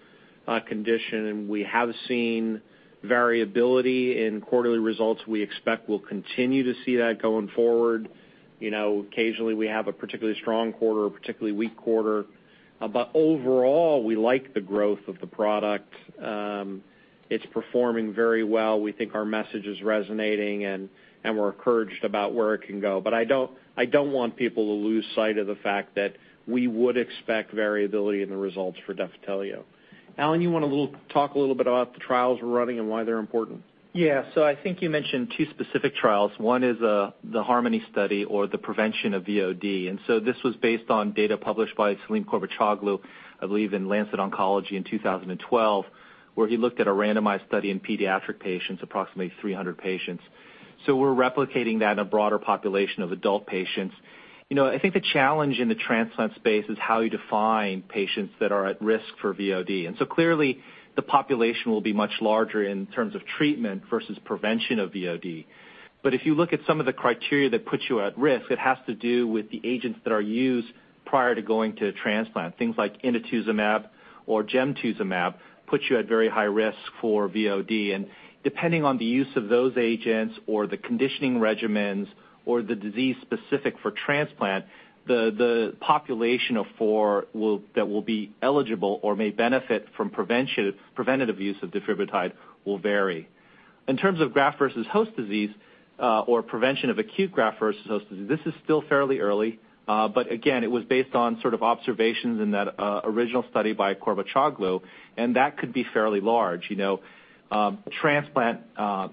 condition, and we have seen variability in quarterly results. We expect we'll continue to see that going forward. You know, occasionally we have a particularly strong quarter or particularly weak quarter. Overall, we like the growth of the product. It's performing very well. We think our message is resonating, and we're encouraged about where it can go. I don't want people to lose sight of the fact that we would expect variability in the results for Defitelio. Allen, you wanna little Talk a little bit about the trials we're running and why they're important? Yeah. I think you mentioned two specific trials. One is the HARMONY study for the prevention of VOD. This was based on data published by Selim Corbacioglu, I believe, in The Lancet Oncology in 2012, where he looked at a randomized study in pediatric patients, approximately 300 patients. We're replicating that in a broader population of adult patients. You know, I think the challenge in the transplant space is how you define patients that are at risk for VOD. Clearly, the population will be much larger in terms of treatment versus prevention of VOD. If you look at some of the criteria that puts you at risk, it has to do with the agents that are used prior to going to transplant. Things like inotuzumab or Gemtuzumab puts you at very high risk for VOD. Depending on the use of those agents or the conditioning regimens or the disease specific for transplant, the population that will be eligible or may benefit from preventative use of defibrotide will vary. In terms of graft versus host disease, or prevention of acute graft versus host disease, this is still fairly early. But again, it was based on sort of observations in that original study by Korur-Bocakoglu, and that could be fairly large. Transplant,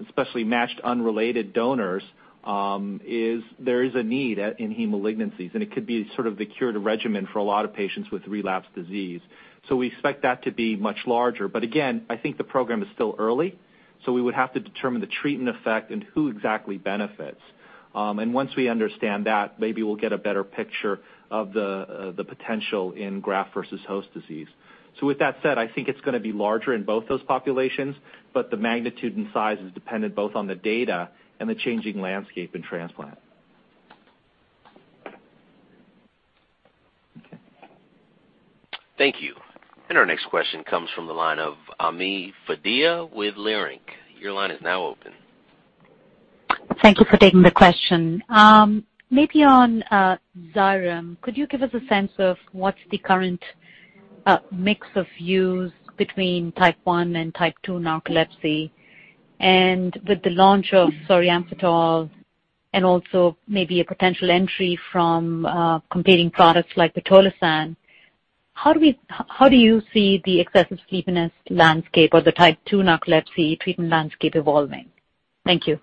especially matched unrelated donors, is a need in heme malignancies, and it could be sort of the curative regimen for a lot of patients with relapsed disease. So we expect that to be much larger. But again, I think the program is still early, so we would have to determine the treatment effect and who exactly benefits. Once we understand that, maybe we'll get a better picture of the potential in graft versus host disease. With that said, I think it's gonna be larger in both those populations, but the magnitude and size is dependent both on the data and the changing landscape in transplant. Thank you. Our next question comes from the line of Ami Fadia with Leerink. Your line is now open. Thank you for taking the question. Maybe on Xyrem, could you give us a sense of what's the current mix of use between type one and type two narcolepsy? With the launch of solriamfetol and also maybe a potential entry from competing products like pitolisant, how do you see the excessive sleepiness landscape or the type two narcolepsy treatment landscape evolving? Thank you.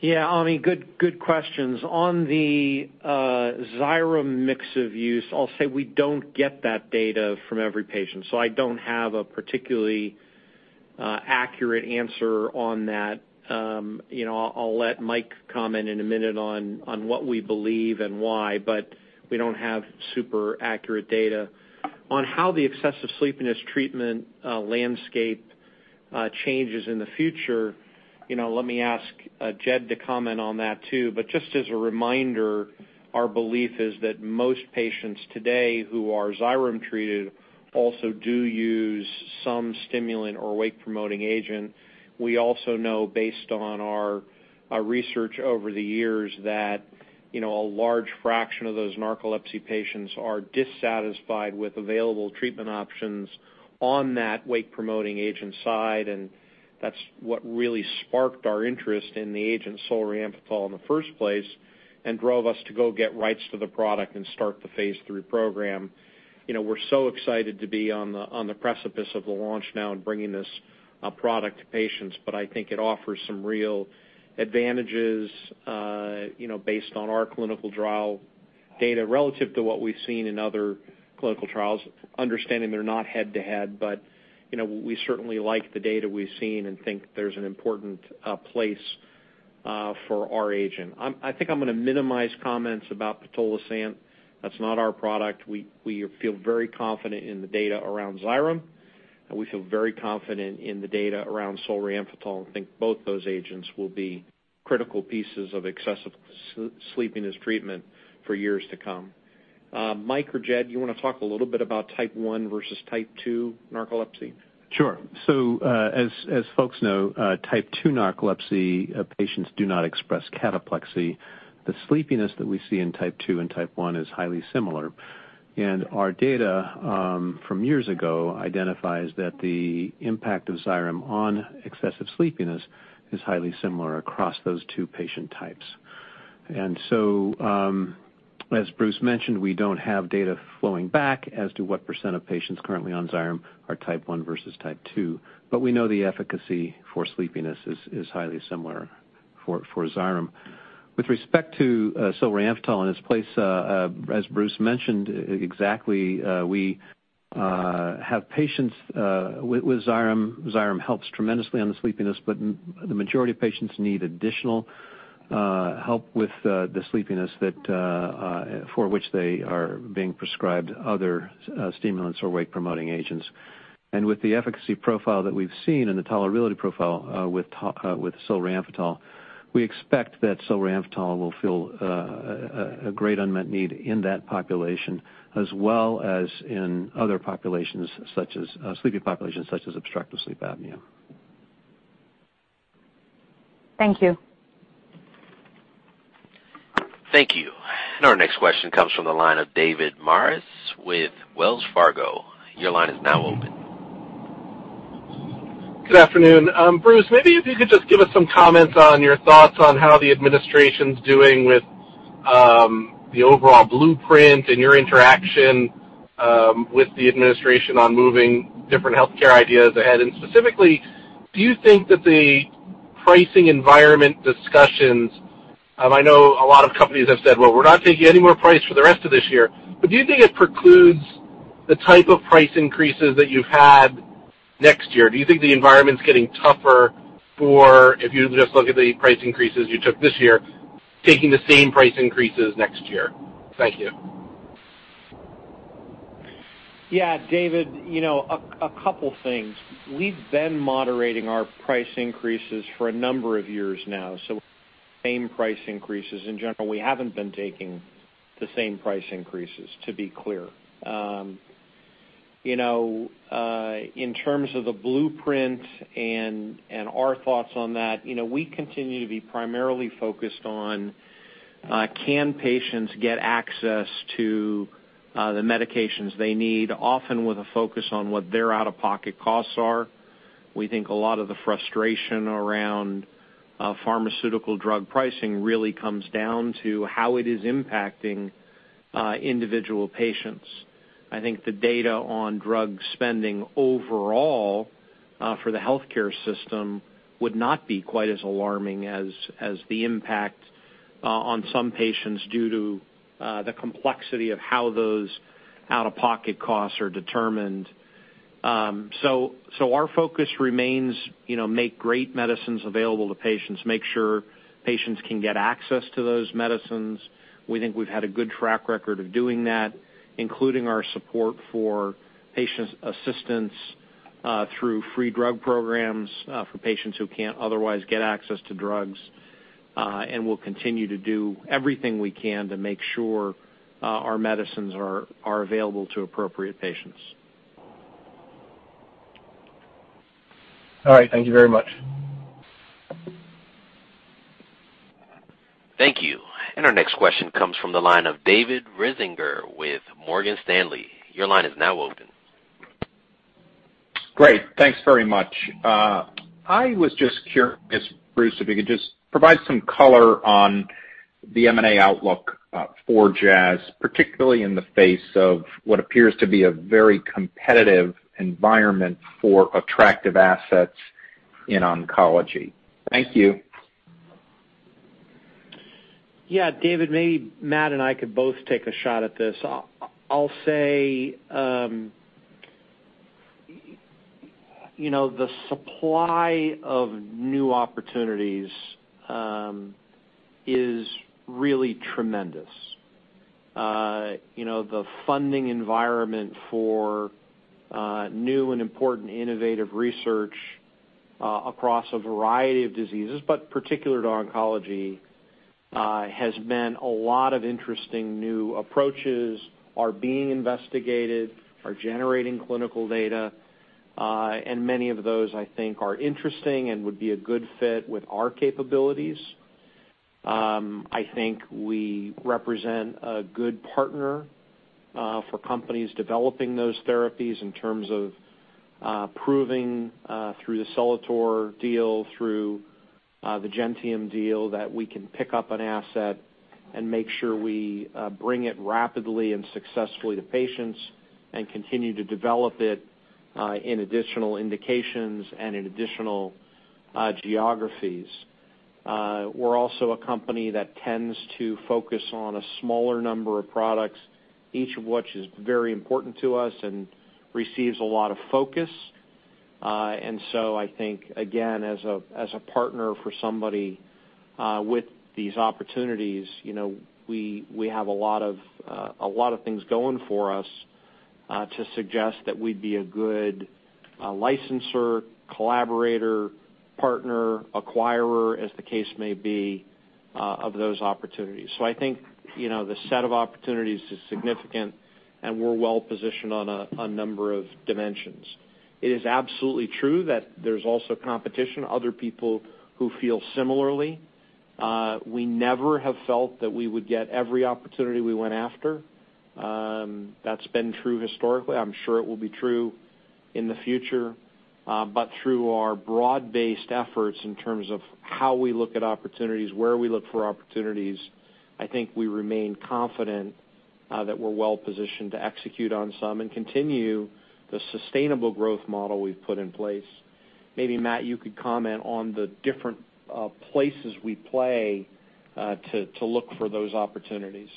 Yeah. Ami, good questions. On the Xyrem mix of use, I'll say we don't get that data from every patient, so I don't have a particularly accurate answer on that. You know, I'll let Mike comment in a minute on what we believe and why, but we don't have super accurate data. On how the excessive sleepiness treatment landscape changes in the future, you know, let me ask Jed to comment on that too. Just as a reminder, our belief is that most patients today who are Xyrem treated also do use some stimulant or wake-promoting agent. We also know based on our research over the years that, you know, a large fraction of those narcolepsy patients are dissatisfied with available treatment options on that wake-promoting agent side, and that's what really sparked our interest in the agent solriamfetol in the first place. Drove us to go get rights to the product and start the phase III program. You know, we're so excited to be on the precipice of the launch now and bringing this product to patients. I think it offers some real advantages, you know, based on our clinical trial data relative to what we've seen in other clinical trials, understanding they're not head-to-head. You know, we certainly like the data we've seen and think there's an important place for our agent. I think I'm gonna minimize comments about pitolisant. That's not our product. We feel very confident in the data around Xyrem, and we feel very confident in the data around solriamfetol and think both those agents will be critical pieces of excessive sleepiness treatment for years to come. Mike or Jed, you wanna talk a little bit about type one versus type two narcolepsy? Sure. As folks know, type two narcolepsy patients do not express cataplexy. The sleepiness that we see in type two and type one is highly similar. Our data from years ago identifies that the impact of Xyrem on excessive sleepiness is highly similar across those two patient types. As Bruce mentioned, we don't have data flowing back as to what percent of patients currently on Xyrem are type one versus type two, but we know the efficacy for sleepiness is highly similar for Xyrem. With respect to solriamfetol and its place, as Bruce mentioned exactly, we have patients with Xyrem. Xyrem helps tremendously on the sleepiness, but the majority of patients need additional help with the sleepiness for which they are being prescribed other stimulants or wake-promoting agents. With the efficacy profile that we've seen and the tolerability profile with solriamfetol, we expect that solriamfetol will fill a great unmet need in that population as well as in other populations, such as sleepy populations such as obstructive sleep apnea. Thank you. Thank you. Our next question comes from the line of David Maris with Wells Fargo. Your line is now open. Good afternoon. Bruce, maybe if you could just give us some comments on your thoughts on how the administration's doing with the overall blueprint and your interaction with the administration on moving different healthcare ideas ahead. Specifically, do you think that the pricing environment discussions, I know a lot of companies have said, "Well, we're not taking any more price for the rest of this year." But do you think it precludes the type of price increases that you've had next year? Do you think the environment's getting tougher for, if you just look at the price increases you took this year, taking the same price increases next year? Thank you. Yeah, David, you know, a couple things. We've been moderating our price increases for a number of years now, so same price increases. In general, we haven't been taking the same price increases, to be clear. You know, in terms of the blueprint and our thoughts on that, you know, we continue to be primarily focused on can patients get access to the medications they need, often with a focus on what their out-of-pocket costs are. We think a lot of the frustration around pharmaceutical drug pricing really comes down to how it is impacting individual patients. I think the data on drug spending overall for the healthcare system would not be quite as alarming as the impact on some patients due to the complexity of how those out-of-pocket costs are determined. So our focus remains, you know, make great medicines available to patients, make sure patients can get access to those medicines. We think we've had a good track record of doing that, including our support for patient assistance through free drug programs for patients who can't otherwise get access to drugs. We'll continue to do everything we can to make sure our medicines are available to appropriate patients. All right. Thank you very much. Thank you. Our next question comes from the line of David Risinger with Morgan Stanley. Your line is now open. Great. Thanks very much. I was just curious, Bruce, if you could just provide some color on the M&A outlook, for Jazz, particularly in the face of what appears to be a very competitive environment for attractive assets in oncology. Thank you. Yeah, David, maybe Matt and I could both take a shot at this. I'll say, you know, the supply of new opportunities is really tremendous. You know, the funding environment for new and important innovative research across a variety of diseases, but particular to oncology, has been a lot of interesting new approaches are being investigated, are generating clinical data, and many of those, I think, are interesting and would be a good fit with our capabilities. I think we represent a good partner for companies developing those therapies in terms of proving through the Celator deal, through the Gentium deal, that we can pick up an asset and make sure we bring it rapidly and successfully to patients and continue to develop it in additional indications and in additional geographies. We're also a company that tends to focus on a smaller number of products, each of which is very important to us and receives a lot of focus. I think, again, as a partner for somebody with these opportunities, you know, we have a lot of things going for us to suggest that we'd be a good licensor, collaborator, partner, acquirer, as the case may be, of those opportunities. I think, you know, the set of opportunities is significant, and we're well positioned on a number of dimensions. It is absolutely true that there's also competition, other people who feel similarly. We never have felt that we would get every opportunity we went after. That's been true historically. I'm sure it will be true in the future. through our broad-based efforts in terms of how we look at opportunities, where we look for opportunities, I think we remain confident that we're well positioned to execute on some and continue the sustainable growth model we've put in place. Maybe, Matt, you could comment on the different places we play to look for those opportunities.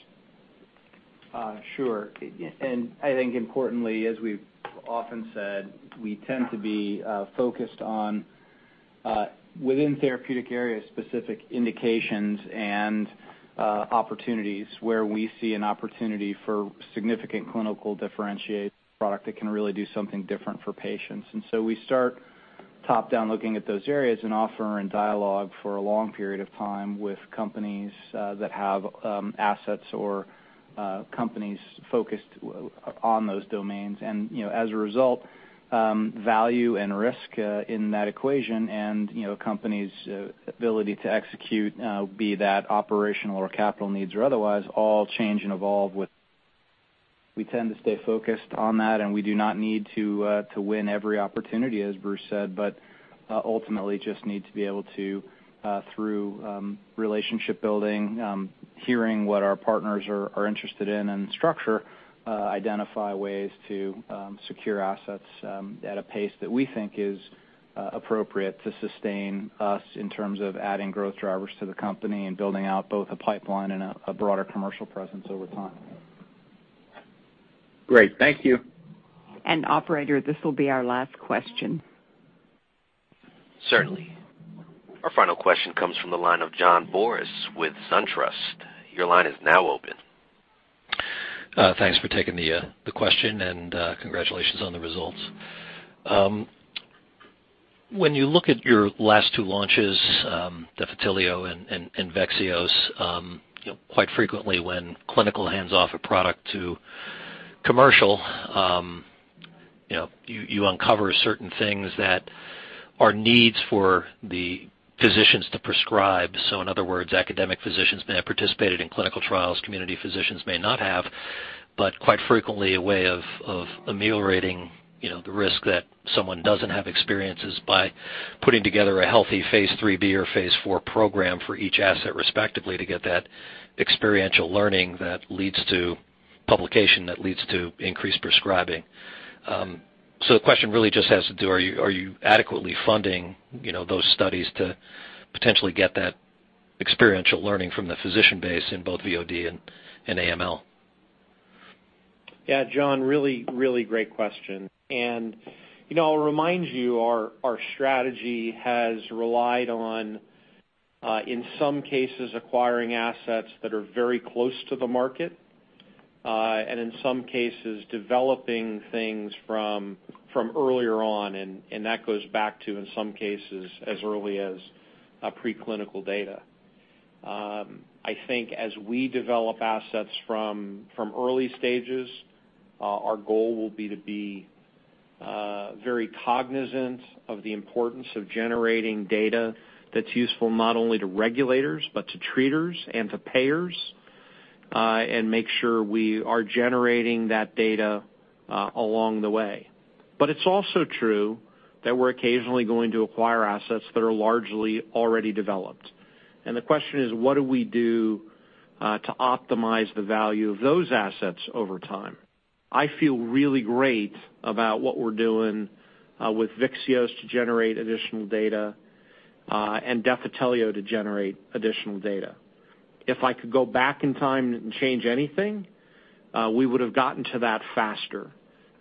Sure. I think importantly, as we've often said, we tend to be focused on within therapeutic areas, specific indications and opportunities where we see an opportunity for significant clinically differentiated product that can really do something different for patients. We start top-down looking at those areas and engage in dialogue for a long period of time with companies that have assets or companies focused on those domains. You know, as a result, value and risk in that equation and, you know, company's ability to execute, be it operational or capital needs or otherwise, all change and evolve with. We tend to stay focused on that, and we do not need to win every opportunity, as Bruce said, but ultimately just need to be able to through relationship building, hearing what our partners are interested in and structure identify ways to secure assets at a pace that we think is appropriate to sustain us in terms of adding growth drivers to the company and building out both a pipeline and a broader commercial presence over time. Great. Thank you. Operator, this will be our last question. Certainly. Our final question comes from the line of John Boris with SunTrust. Your line is now open. Thanks for taking the question, and congratulations on the results. When you look at your last two launches, Defitelio and Vyxeos, you know, quite frequently when clinical hands off a product to commercial, you know, you uncover certain things that are needs for the physicians to prescribe. In other words, academic physicians may have participated in clinical trials, community physicians may not have, but quite frequently, a way of ameliorating, you know, the risk that someone doesn't have experience is by putting together a healthy phase IIIb or phase IV program for each asset, respectively, to get that experiential learning that leads to publication, that leads to increased prescribing. The question really just has to do, are you adequately funding, you know, those studies to potentially get that experiential learning from the physician base in both VOD and AML? Yeah, John, really great question. You know, I'll remind you, our strategy has relied on, in some cases, acquiring assets that are very close to the market, and in some cases, developing things from earlier on, and that goes back to, in some cases, as early as preclinical data. I think as we develop assets from early stages, our goal will be to be very cognizant of the importance of generating data that's useful not only to regulators, but to treaters and to payers, and make sure we are generating that data along the way. But it's also true that we're occasionally going to acquire assets that are largely already developed. The question is, what do we do to optimize the value of those assets over time? I feel really great about what we're doing with Vyxeos to generate additional data and Defitelio to generate additional data. If I could go back in time and change anything, we would have gotten to that faster.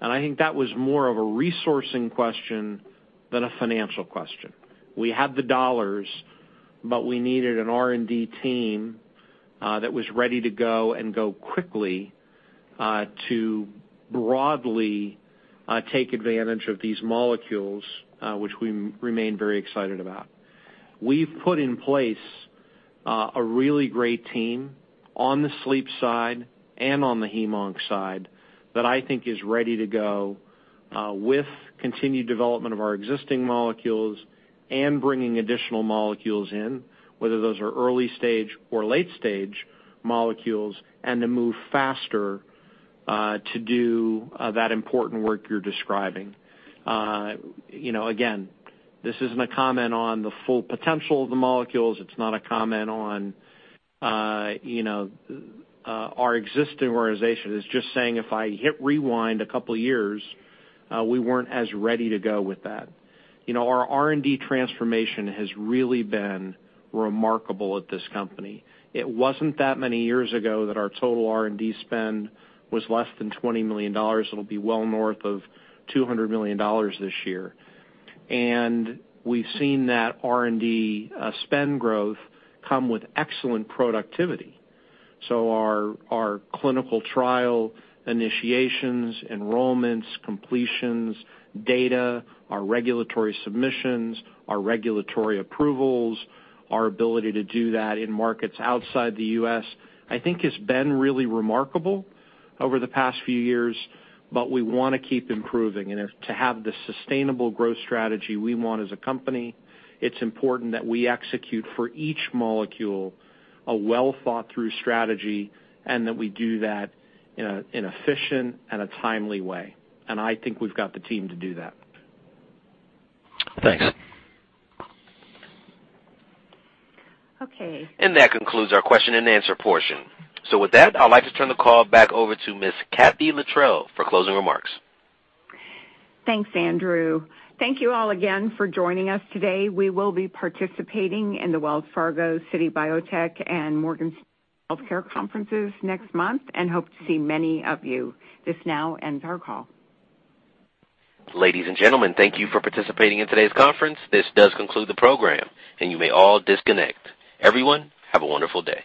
I think that was more of a resourcing question than a financial question. We had the dollars, but we needed an R&D team that was ready to go and go quickly to broadly take advantage of these molecules which we remain very excited about. We've put in place a really great team on the sleep side and on the hem-on side that I think is ready to go with continued development of our existing molecules and bringing additional molecules in, whether those are early stage or late stage molecules, and to move faster to do that important work you're describing. You know, again, this isn't a comment on the full potential of the molecules. It's not a comment on, you know, our existing organization. It's just saying, if I hit rewind a couple years, we weren't as ready to go with that. You know, our R&D transformation has really been remarkable at this company. It wasn't that many years ago that our total R&D spend was less than $20 million. It'll be well north of $200 million this year. And we've seen that R&D spend growth come with excellent productivity. So our clinical trial initiations, enrollments, completions, data, our regulatory submissions, our regulatory approvals, our ability to do that in markets outside the U.S. I think has been really remarkable over the past few years. We wanna keep improving. To have the sustainable growth strategy we want as a company, it's important that we execute for each molecule a well-thought-through strategy, and that we do that in an efficient and timely way. I think we've got the team to do that. Thanks. Okay. That concludes our question and answer portion. With that, I'd like to turn the call back over to Miss Kathee Littrell for closing remarks. Thanks, Andrew. Thank you all again for joining us today. We will be participating in the Wells Fargo Securities Healthcare Conference and the Morgan Stanley Global Healthcare Conference next month, and hope to see many of you. This now ends our call. Ladies and gentlemen, thank you for participating in today's conference. This does conclude the program and you may all disconnect. Everyone, have a wonderful day.